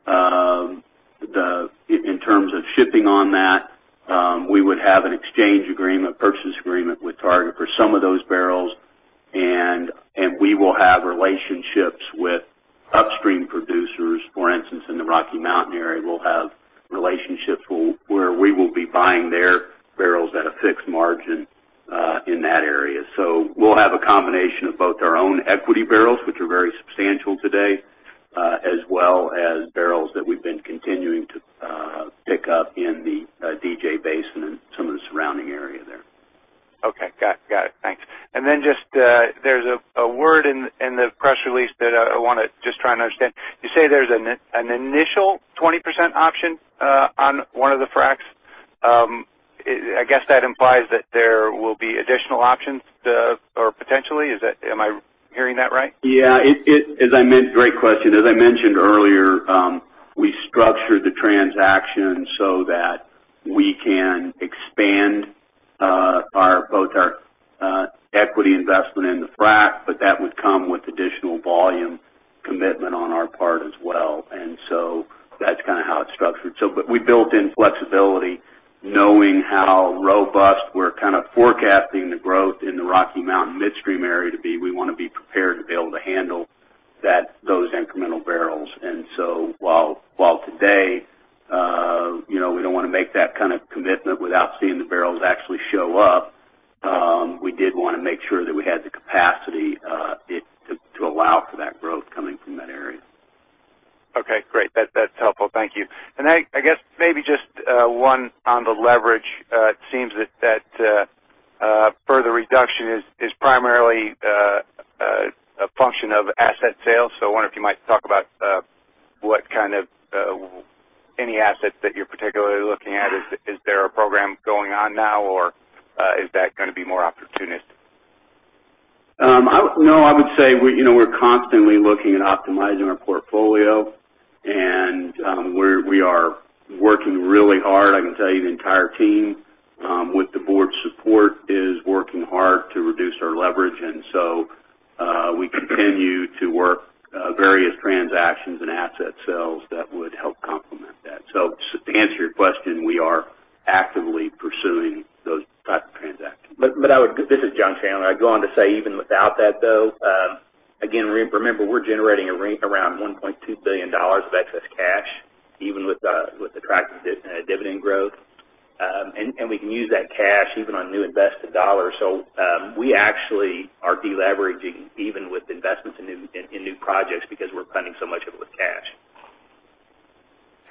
those incremental barrels. While today we don't want to make that kind of commitment without seeing the barrels actually show up, we did want to make sure that we had the capacity to allow for that growth coming from that area. Okay, great. That's helpful. Thank you. I guess maybe just one on the leverage. It seems that further reduction is primarily a function of asset sales. I wonder if you might talk about any assets that you're particularly looking at. Is there a program going on now, or is that going to be more opportunistic? No, I would say we're constantly looking at optimizing our portfolio, and we are working really hard. I can tell you the entire team, with the board's support, is working hard to reduce our leverage. We continue to work various transactions and asset sales that would help complement that. To answer your question, we are actively pursuing those types of transactions. This is John Chandler. I'd go on to say even without that, though, again, remember, we're generating around $1.2 billion of excess cash, even with attractive dividend growth. We can use that cash even on new invested dollars. We actually are de-leveraging even with investments in new projects because we're funding so much of it with cash.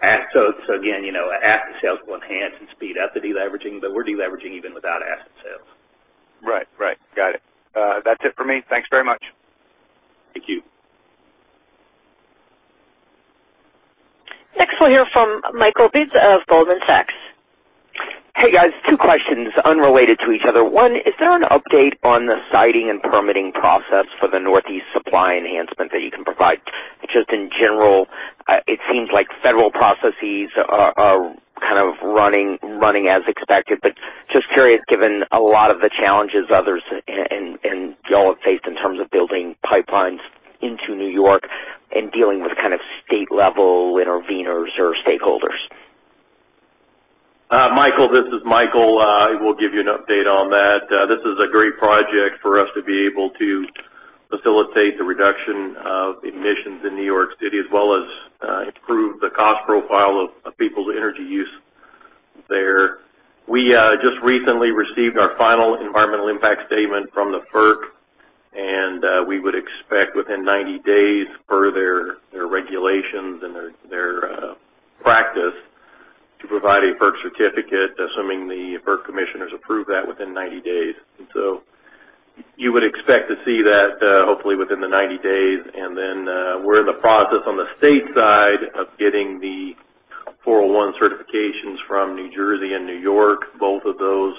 Again, asset sales will enhance and speed up the de-leveraging, but we're de-leveraging even without asset sales. Right. Got it. That's it for me. Thanks very much. Thank you. Next, we'll hear from Michael Blum of Goldman Sachs. Hey, guys. Two questions unrelated to each other. One, is there an update on the siting and permitting process for the Northeast Supply Enhancement that you can provide? Just in general, it seems like federal processes are running as expected. Just curious, given a lot of the challenges others and y'all have faced in terms of building pipelines into New York and dealing with state-level interveners or stakeholders. Micheal, this is Micheal. I will give you an update on that. This is a great project for us to be able to facilitate the reduction of emissions in New York City, as well as improve the cost profile of people's energy use there. We just recently received our final environmental impact statement from the FERC. We would expect within 90 days per their regulations and their practice to provide a FERC certificate, assuming the FERC commissioners approve that within 90 days. You would expect to see that hopefully within the 90 days. We're in the process on the state side of getting the 401 certifications from New Jersey and New York. Both of those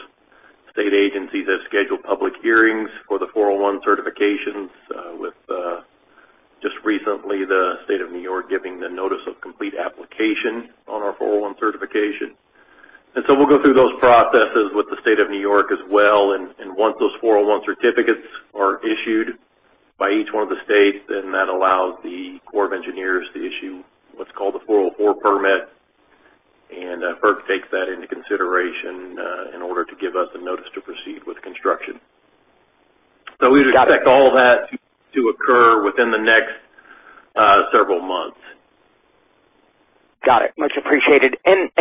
state agencies have scheduled public hearings for the 401 certifications with just recently the state of New York giving the notice of complete application on our 401 certification. We'll go through those processes with the state of New York as well. Once those 401 certificates are issued by each one of the states, that allows the Corps of Engineers to issue what's called a 404 permit. FERC takes that into consideration in order to give us a notice to proceed with construction. Got it. We'd expect all that to occur within the next several months. Got it. Much appreciated.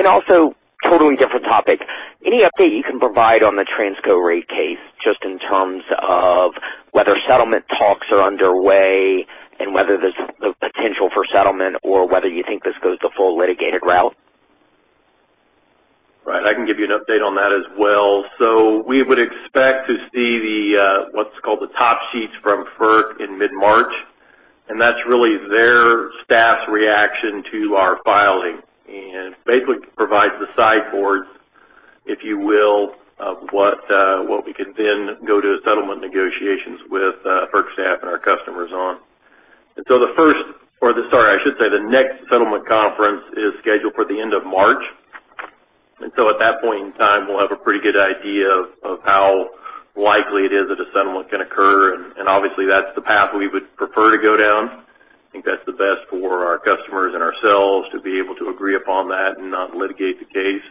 Also, totally different topic. Any update you can provide on the Transco rate case, just in terms of whether settlement talks are underway and whether there's the potential for settlement or whether you think this goes the full litigated route? Right. I can give you an update on that as well. We would expect to see what's called the top sheets from FERC in mid-March, that's really their staff's reaction to our filing and basically provides the sideboards, if you will, of what we can then go to settlement negotiations with FERC staff and our customers on. The first or, sorry, I should say the next settlement conference is scheduled for the end of March. At that point in time, we'll have a pretty good idea of how likely it is that a settlement can occur, and obviously, that's the path we would prefer to go down. I think that's the best for our customers and ourselves to be able to agree upon that and not litigate the case.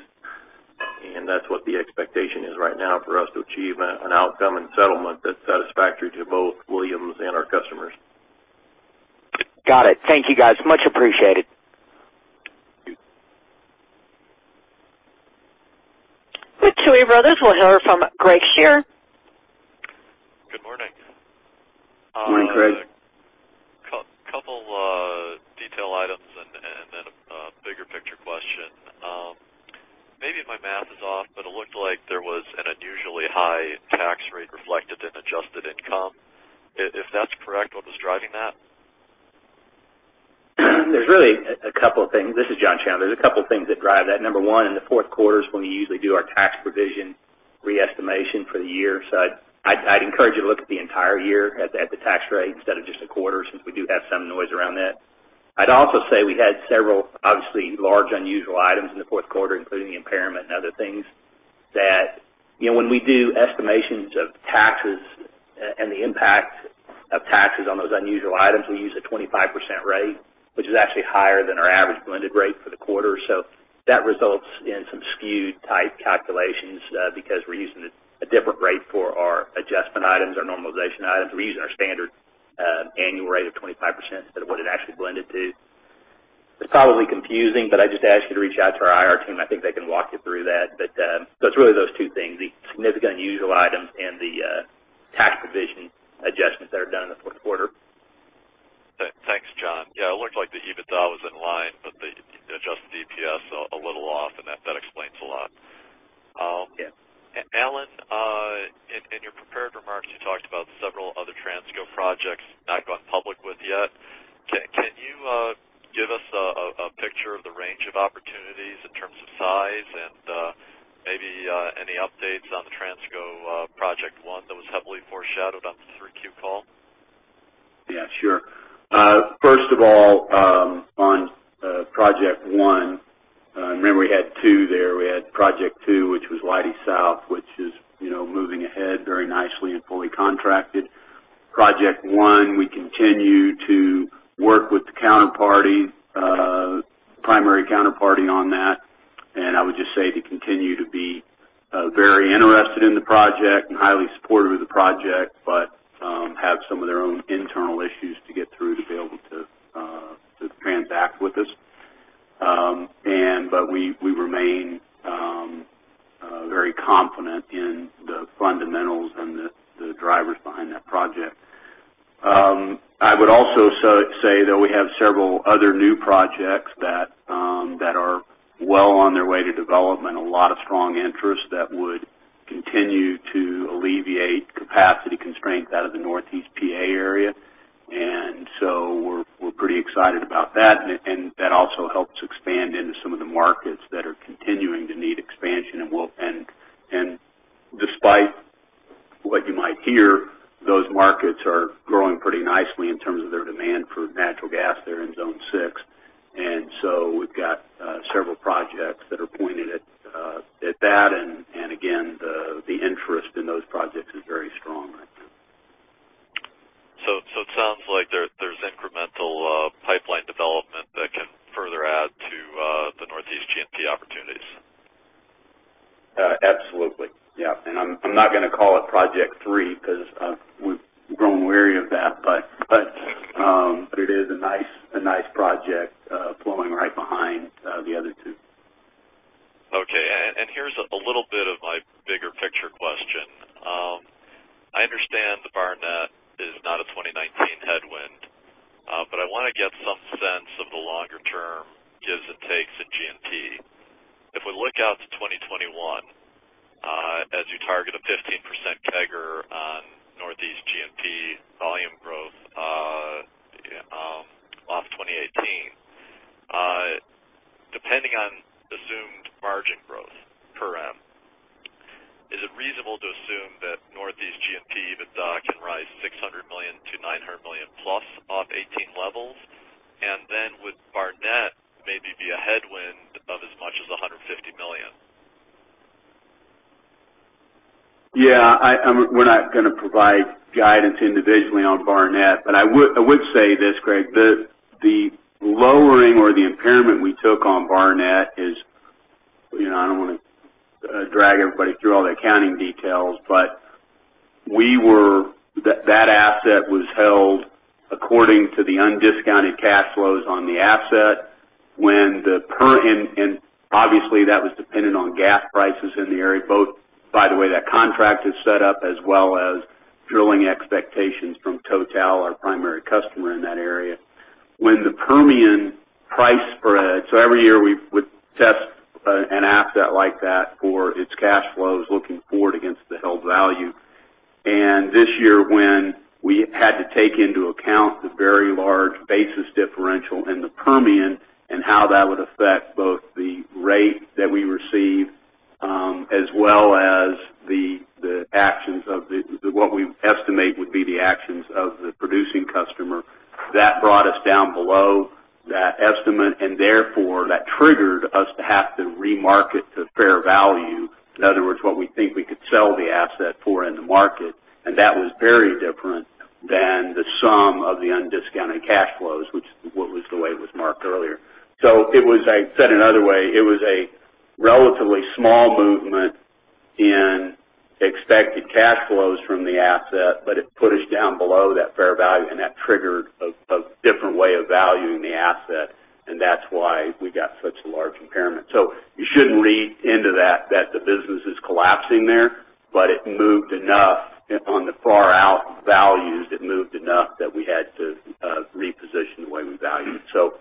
That's what the expectation is right now for us to achieve an outcome and settlement that's satisfactory to both Williams and our customers. Got it. Thank you, guys. Much appreciated. With Keewaydin Brothers, we'll hear from Greg Shearer. Good morning. Morning, Greg. Couple detail items and then a bigger picture question. Maybe my math is off, but it looked like there was an unusually high tax rate reflected in adjusted income. If that's correct, what was driving that? There's really a couple things. This is John Chandler. There's a couple things that drive that. Number one, in the fourth quarter is when we usually do our tax provision re-estimation for the year. I'd encourage you to look at the entire year at the tax rate instead of just a quarter, since we do have some noise around that. I'd also say we had several obviously large unusual items in the fourth quarter, including the impairment and other things that when we do estimations of taxes and the impact of taxes on those unusual items, we use a 25% rate, which is actually higher than our average blended rate for the quarter. That results in some skewed type calculations, because we're using a different rate for our adjustment items, our normalization items. We're using our standard annual rate of 25% instead of what it actually blended to. It's probably confusing, I'd just ask you to reach out to our IR team. I think they can walk you through that. It's really those two things, the significant unusual items and the tax provision adjustments that are done in the fourth quarter. Thanks, John. It looked like the EBITDA was in line, the adjusted EPS a little off, that explains a lot. Yeah. Alan, in your prepared remarks, you talked about several other Transco projects not gone public with yet. Can you give us a picture of the range of opportunities in terms of size and maybe any updates on the Transco Project One that was heavily foreshadowed on the 3Q call? Yeah, sure. First of all, on Project One, remember we had two there. We had Project Two, which was Leidy South, which is moving ahead very nicely and fully contracted. Project One, we continue to work with the primary counterparty on that. I would just say they continue to be very interested in the project and highly supportive of the project, guidance individually on Barnett Gathering, but I would say this, Greg. The lowering or the impairment we took on Barnett Gathering is. I don't want to drag everybody through all the accounting details, but that asset was held according to the undiscounted cash flows on the asset. Obviously, that was dependent on gas prices in the area, both by the way that contract is set up, as well as drilling expectations from Total S.A., our primary customer in that area. When the Permian price spread. Every year we would test an asset like that for its cash flows looking forward against the held value. This year when we had to take into account the very large basis differential in the Permian and how that would affect both the rate that we receive, as well as what we estimate would be the actions of the producing customer. That brought us down below that estimate, and therefore, that triggered us to have to re-market to fair value. In other words, what we think we could sell the asset for in the market, and that was very different than the sum of the undiscounted cash flows, which was the way it was marked earlier. Said another way, it was a relatively small movement in expected cash flows from the asset, but it put us down below that fair value, and that triggered a different way of valuing the asset, and that's why we got such a large impairment. You shouldn't read into that the business is collapsing there, but on the far out values, it moved enough that we had to reposition the way we value it.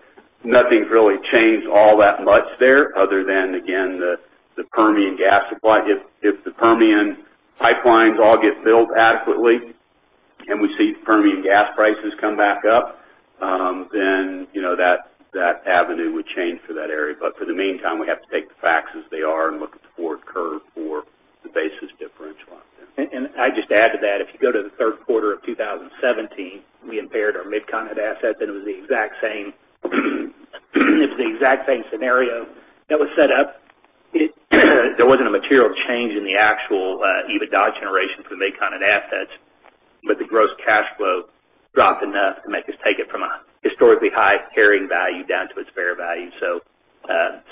Nothing's really changed all that much there other than, again, the Permian gas supply. If the Permian pipelines all get built adequately and we see Permian gas prices come back up, then that avenue would change for that area. For the meantime, we have to take the facts as they are and look at the forward curve for the basis differential out there. I'd just add to that, if you go to the third quarter of 2017, we impaired our Mid-Continent asset, it was the exact same scenario that was set up. There wasn't a material change in the actual EBITDA generation for the Mid-Continent assets, but the gross cash flow dropped enough to make us take it from a historically high carrying value down to its fair value.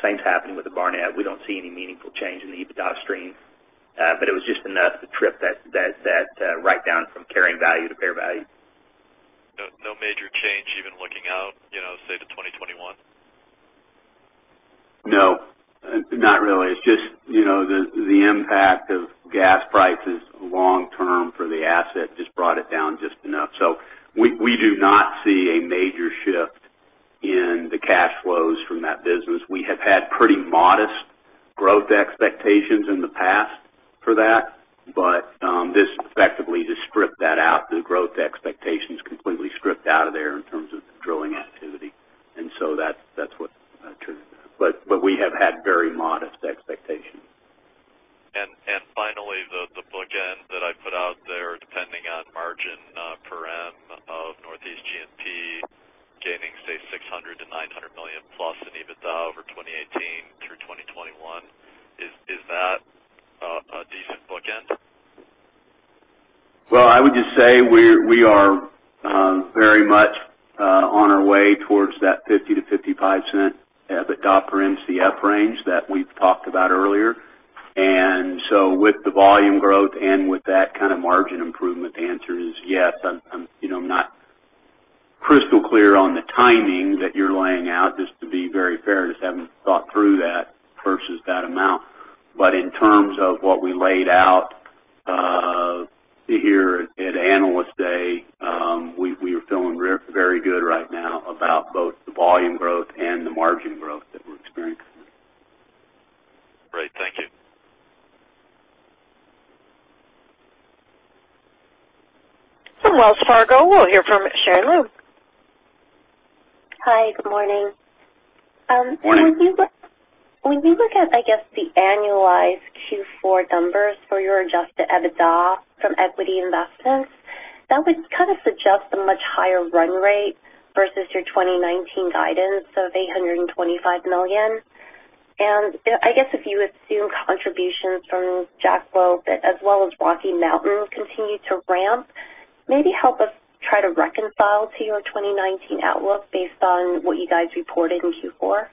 Same thing happened with the Barnett. We don't see any meaningful change in the EBITDA stream. It was just enough to trip that write-down from carrying value to fair value. No major change even looking out, say, to 2021? No, not really. It's just the impact of gas prices long term for the asset just brought it down just enough. We do not see a major shift in the cash flows from that business. We have had pretty modest growth expectations in the past for that. This effectively just stripped that out. The growth expectations completely stripped out of there in terms of the drilling activity, that's what triggered that. We have had very modest expectations. Finally, the book end that I put out there, depending on margin per M of Northeast G&P gaining, say, $600 million-$900 million-plus in EBITDA over 2018 through 2021. Is that a decent book end? I would just say we are very much on our way towards that $0.50-$0.55 EBITDA per MCF range that we've talked about earlier. With the volume growth and with that kind of margin improvement, the answer is yes. I'm not crystal clear on the timing that you're laying out, just to be very fair. Just haven't thought through that versus that amount. In terms of what we laid out here at Analyst Day, we are feeling very good right now about both the volume growth and the margin growth that we're experiencing. Great. Thank you. From Wells Fargo, we'll hear from Sharon Lui. Hi. Good morning. Morning. When you look at, I guess, the annualized Q4 numbers for your adjusted EBITDA from equity investments, that would suggest a much higher run rate versus your 2019 guidance of $825 million. I guess if you assume contributions from Jackknife as well as Rocky Mountain continue to ramp, maybe help us try to reconcile to your 2019 outlook based on what you guys reported in Q4.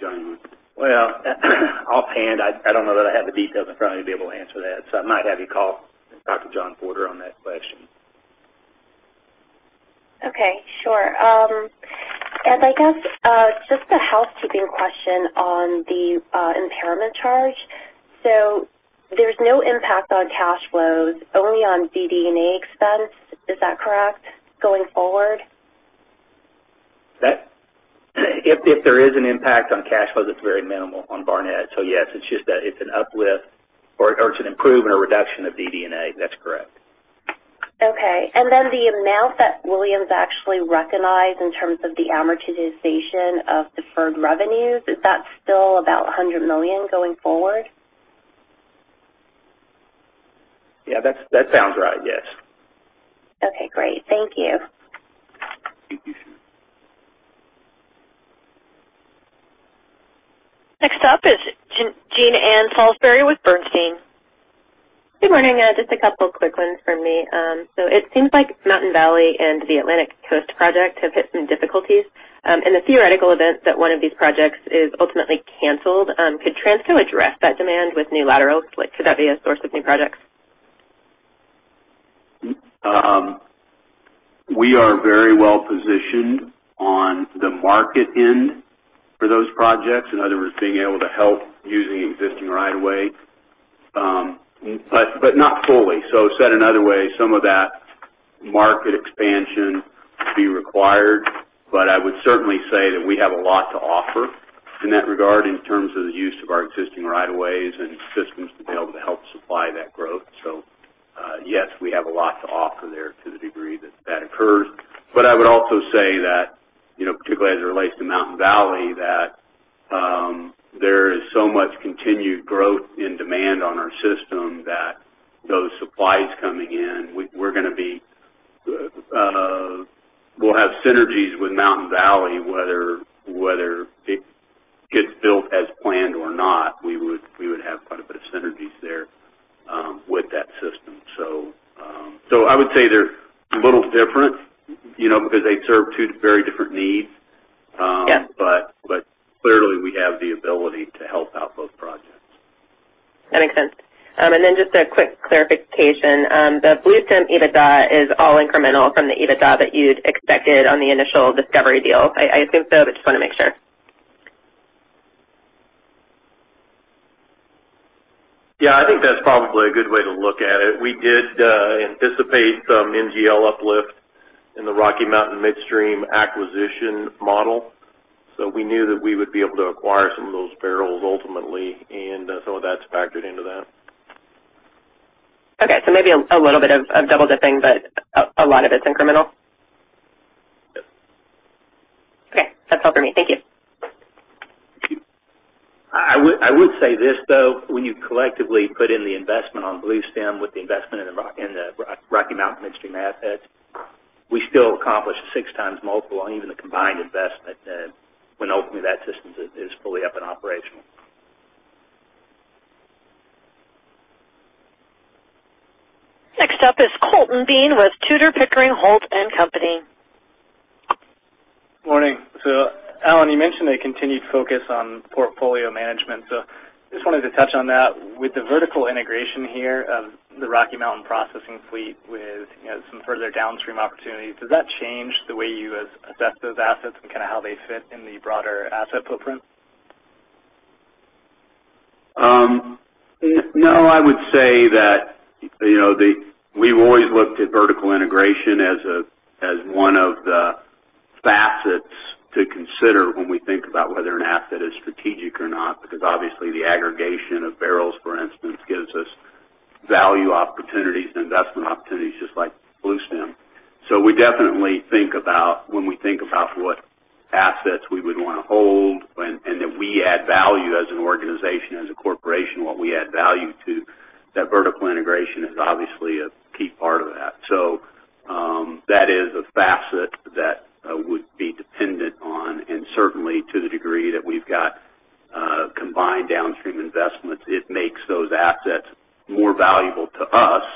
Johnny? Well, offhand, I don't know that I have the details in front of me to be able to answer that. I might have you call and talk to John Porter on that question. Okay. Sure. I guess, just a housekeeping question on the impairment charge. There's no impact on cash flows, only on DD&A expense. Is that correct going forward? If there is an impact on cash flow, that's very minimal on Barnett. Yes, it's an uplift or it's an improvement or reduction of DD&A. That's correct. Okay. The amount that Williams actually recognized in terms of the amortization of deferred revenues, is that still about $100 million going forward? Yeah, that sounds right. Yes. Okay, great. Thank you. Thank you, Sharon. Next up is Jean Ann Salisbury with Bernstein. Good morning. Just a couple of quick ones from me. It seems like Mountain Valley and the Atlantic Coast Project have hit some difficulties. In the theoretical event that one of these projects is ultimately canceled, could Transco address that demand with new laterals? Could that be a source of new projects? We are very well-positioned on the market end for those projects. In other words, being able to help using existing right of way. Not fully. Said another way, some of that market expansion be required, but I would certainly say that we have a lot to offer in that regard in terms of the use of our existing right of ways and systems to be able to help supply that growth. Yes, we have a lot to offer there to the degree that that occurs. I would also say that, particularly as it relates to Mountain Valley, that there is so much continued growth in demand on our system that those supplies coming in, we will have synergies with Mountain Valley, whether it gets built as planned or not. We would have quite a bit of synergies there with that system. I would say they're a little different, because they serve two very different needs. Yes. Clearly, we have the ability to help out both projects. That makes sense. Then just a quick clarification. The Bluestem EBITDA is all incremental from the EBITDA that you'd expected on the initial Discovery deal. I think so, but just want to make sure. Yeah, I think that's probably a good way to look at it. We did anticipate some NGL uplift in the Rocky Mountain Midstream acquisition model. We knew that we would be able to acquire some of those barrels ultimately, and some of that's factored into that. Okay. Maybe a little bit of double-dipping, but a lot of it's incremental? Yes. Okay. That's all for me. Thank you. I would say this, though. When you collectively put in the investment on Bluestem with the investment in the Rocky Mountain Midstream assets, we still accomplish a six times multiple on even the combined investment then, when ultimately that system is fully up and operational. Next up is Colton Bean with Tudor, Pickering, Holt & Co.. Morning. Alan, you mentioned a continued focus on portfolio management. Just wanted to touch on that. With the vertical integration here of the Rocky Mountain processing fleet with some further downstream opportunities, does that change the way you assess those assets and how they fit in the broader asset footprint? No, I would say that we've always looked at vertical integration as one of the facets to consider when we think about whether an asset is strategic or not. Obviously the aggregation of barrels, for instance, gives us value opportunities, investment opportunities, just like Bluestem. We definitely think about when we think about what assets we would want to hold and if we add value as an organization, as a corporation, what we add value to, that vertical integration is obviously a key part of that. That is a facet that would be dependent on, and certainly to the degree that we've got combined downstream investments, it makes those assets more valuable to us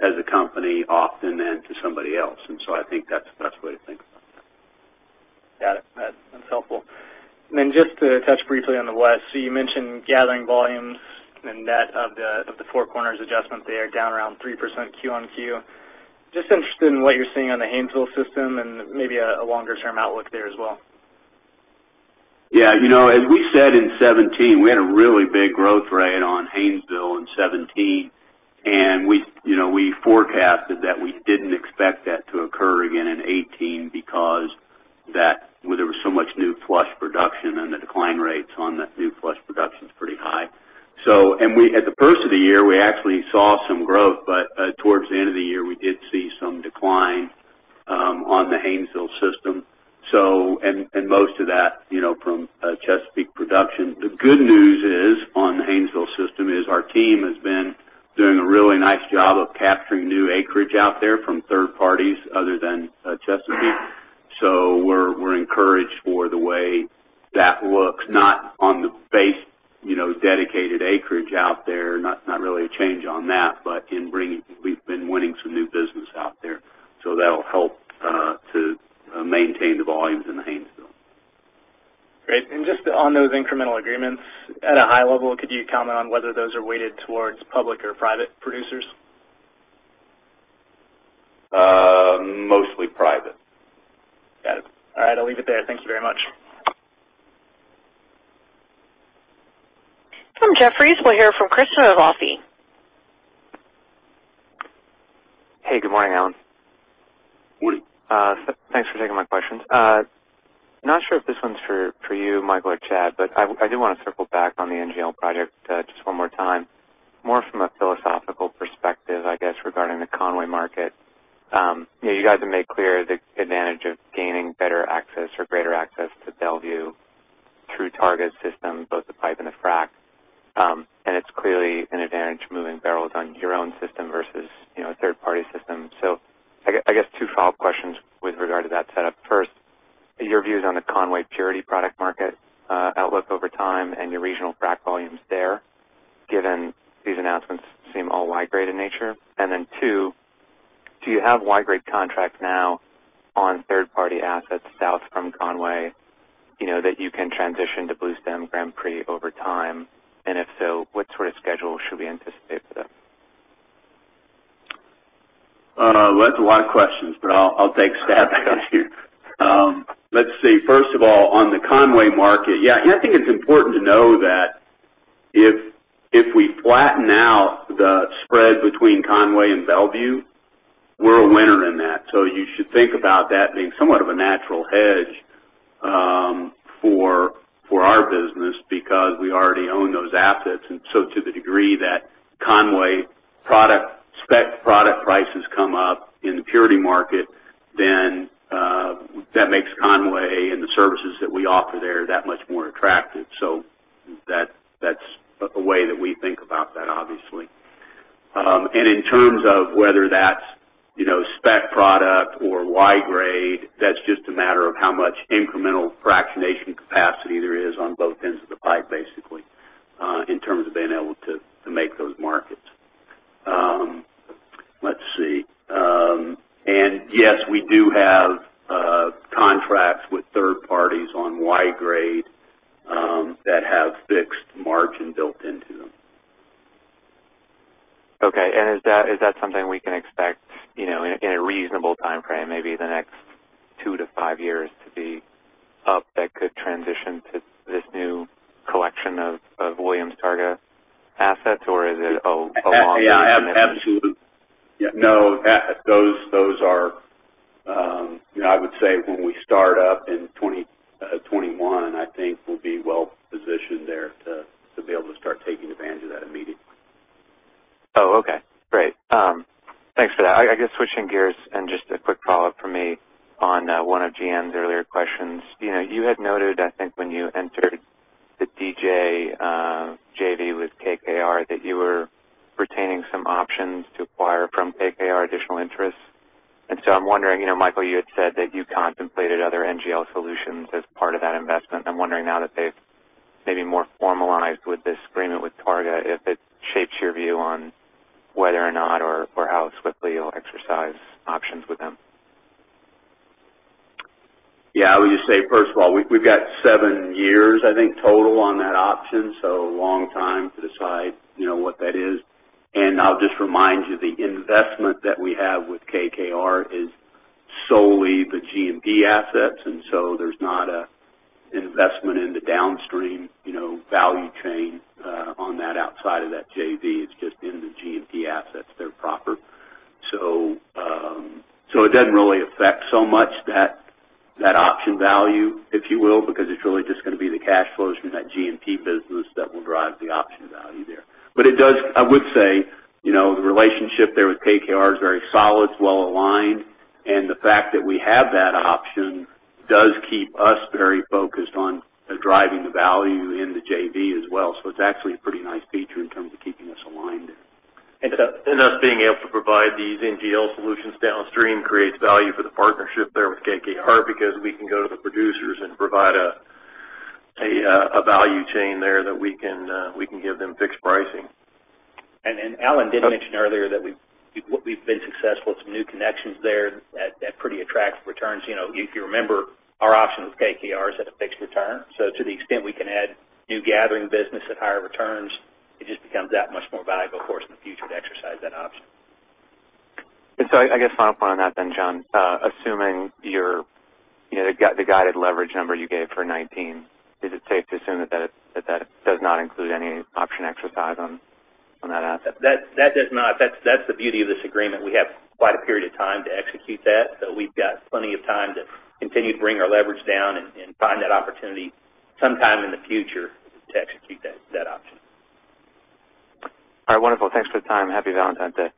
as a company often than to somebody else. I think that's the best way to think about that. Got it. That's helpful. Just to touch briefly on the West. You mentioned gathering volumes and net of the Four Corners adjustment there, down around 3% Q on Q. Just interested in what you're seeing on the Haynesville system and maybe a longer-term outlook there as well. Yeah. As we said in 2017, we had a really big growth rate on Haynesville in 2017, and we forecasted that we didn't expect that to occur again in 2018 because there was so much new flush production and the decline rates on the new flush production's pretty high. At the first of the year, we actually saw some growth, but towards the end of the year, we did see some decline on the Haynesville system. Most of that from Chesapeake production. The good news is on the Haynesville system is our team has been doing a really nice job of capturing new acreage out there from third parties other than Chesapeake. We're encouraged for the way that looks, not on the base dedicated acreage out there. Not really a change on that, but we've been winning some new business out there, so that'll help to maintain the volumes in the Haynesville. Just on those incremental agreements, at a high level, could you comment on whether those are weighted towards public or private producers? Mostly private. Got it. All right, I'll leave it there. Thank you very much. From Jefferies, we'll hear from Christopher Sighinolfi. Hey, good morning, Alan. Morning. Thanks for taking my questions. Not sure if this one's for you, Mike, or Chad, but I do want to circle back on the NGL project just one more time, more from a philosophical perspective, I guess, regarding the Conway market. You guys have made clear the advantage of gaining better access or greater access to Mont Belvieu through Targa systems, both the pipe and the frack. It's clearly an advantage moving barrels on your own system versus a third-party system. I guess two follow-up questions with regard to that setup. First, your views on the Conway purity product market outlook over time and your regional frack volumes there, given these announcements seem all Y-grade in nature. Two, do you have Y-grade contracts now on third-party assets south from Conway, that you can transition to Bluestem Grand Prix over time? If so, what sort of schedule should we anticipate for them? Well, that's a lot of questions, I'll take a stab at you. Let's see, first of all, on the Conway market, yeah, I think it's important to know that if we flatten out the spread between Conway and Mont Belvieu, we're a winner in that. You should think about that being somewhat of a natural hedge for our business because we already own those assets. To the degree that Conway spec product prices come up in the purity market, that makes Conway and the services that we offer there that much more attractive. That's a way that we think about that, obviously. In terms of whether that's spec product or Y-grade, that's just a matter of how much incremental fractionation capacity there is on both ends of the pipe, basically, in terms of being able to make those markets. Let's see. Yes, we do have contracts with third parties on Y-grade that have fixed margin built into them. Okay. Is that something we can expect value chain there that we can give them fixed pricing. Alan did mention earlier that we've been successful with some new connections there at pretty attractive returns. If you remember, our option with KKR is at a fixed return. To the extent we can add new gathering business at higher returns, it just becomes that much more valuable for us in the future to exercise that option. I guess final point on that then, John. Assuming the guided leverage number you gave for 2019, is it safe to assume that that does not include any option exercise on that asset? That does not. That's the beauty of this agreement. We have quite a period of time to execute that. We've got plenty of time to continue to bring our leverage down and find that opportunity sometime in the future to execute that option. All right, wonderful. Thanks for the time. Happy Valentine's Day.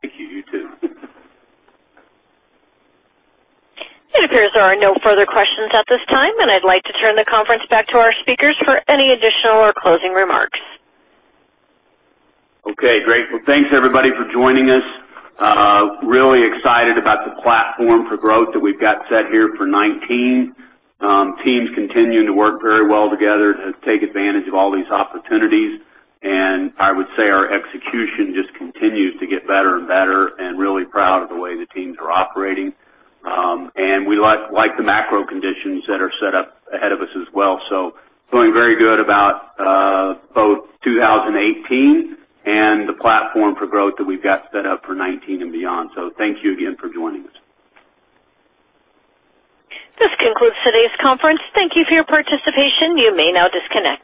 Thank you. You too. It appears there are no further questions at this time. I'd like to turn the conference back to our speakers for any additional or closing remarks. Okay, great. Well, thanks everybody for joining us. Really excited about the platform for growth that we've got set here for 2019. Teams continuing to work very well together to take advantage of all these opportunities. I would say our execution just continues to get better and better and really proud of the way the teams are operating. We like the macro conditions that are set up ahead of us as well. Feeling very good about both 2018 and the platform for growth that we've got set up for 2019 and beyond. Thank you again for joining us. This concludes today's conference. Thank you for your participation. You may now disconnect.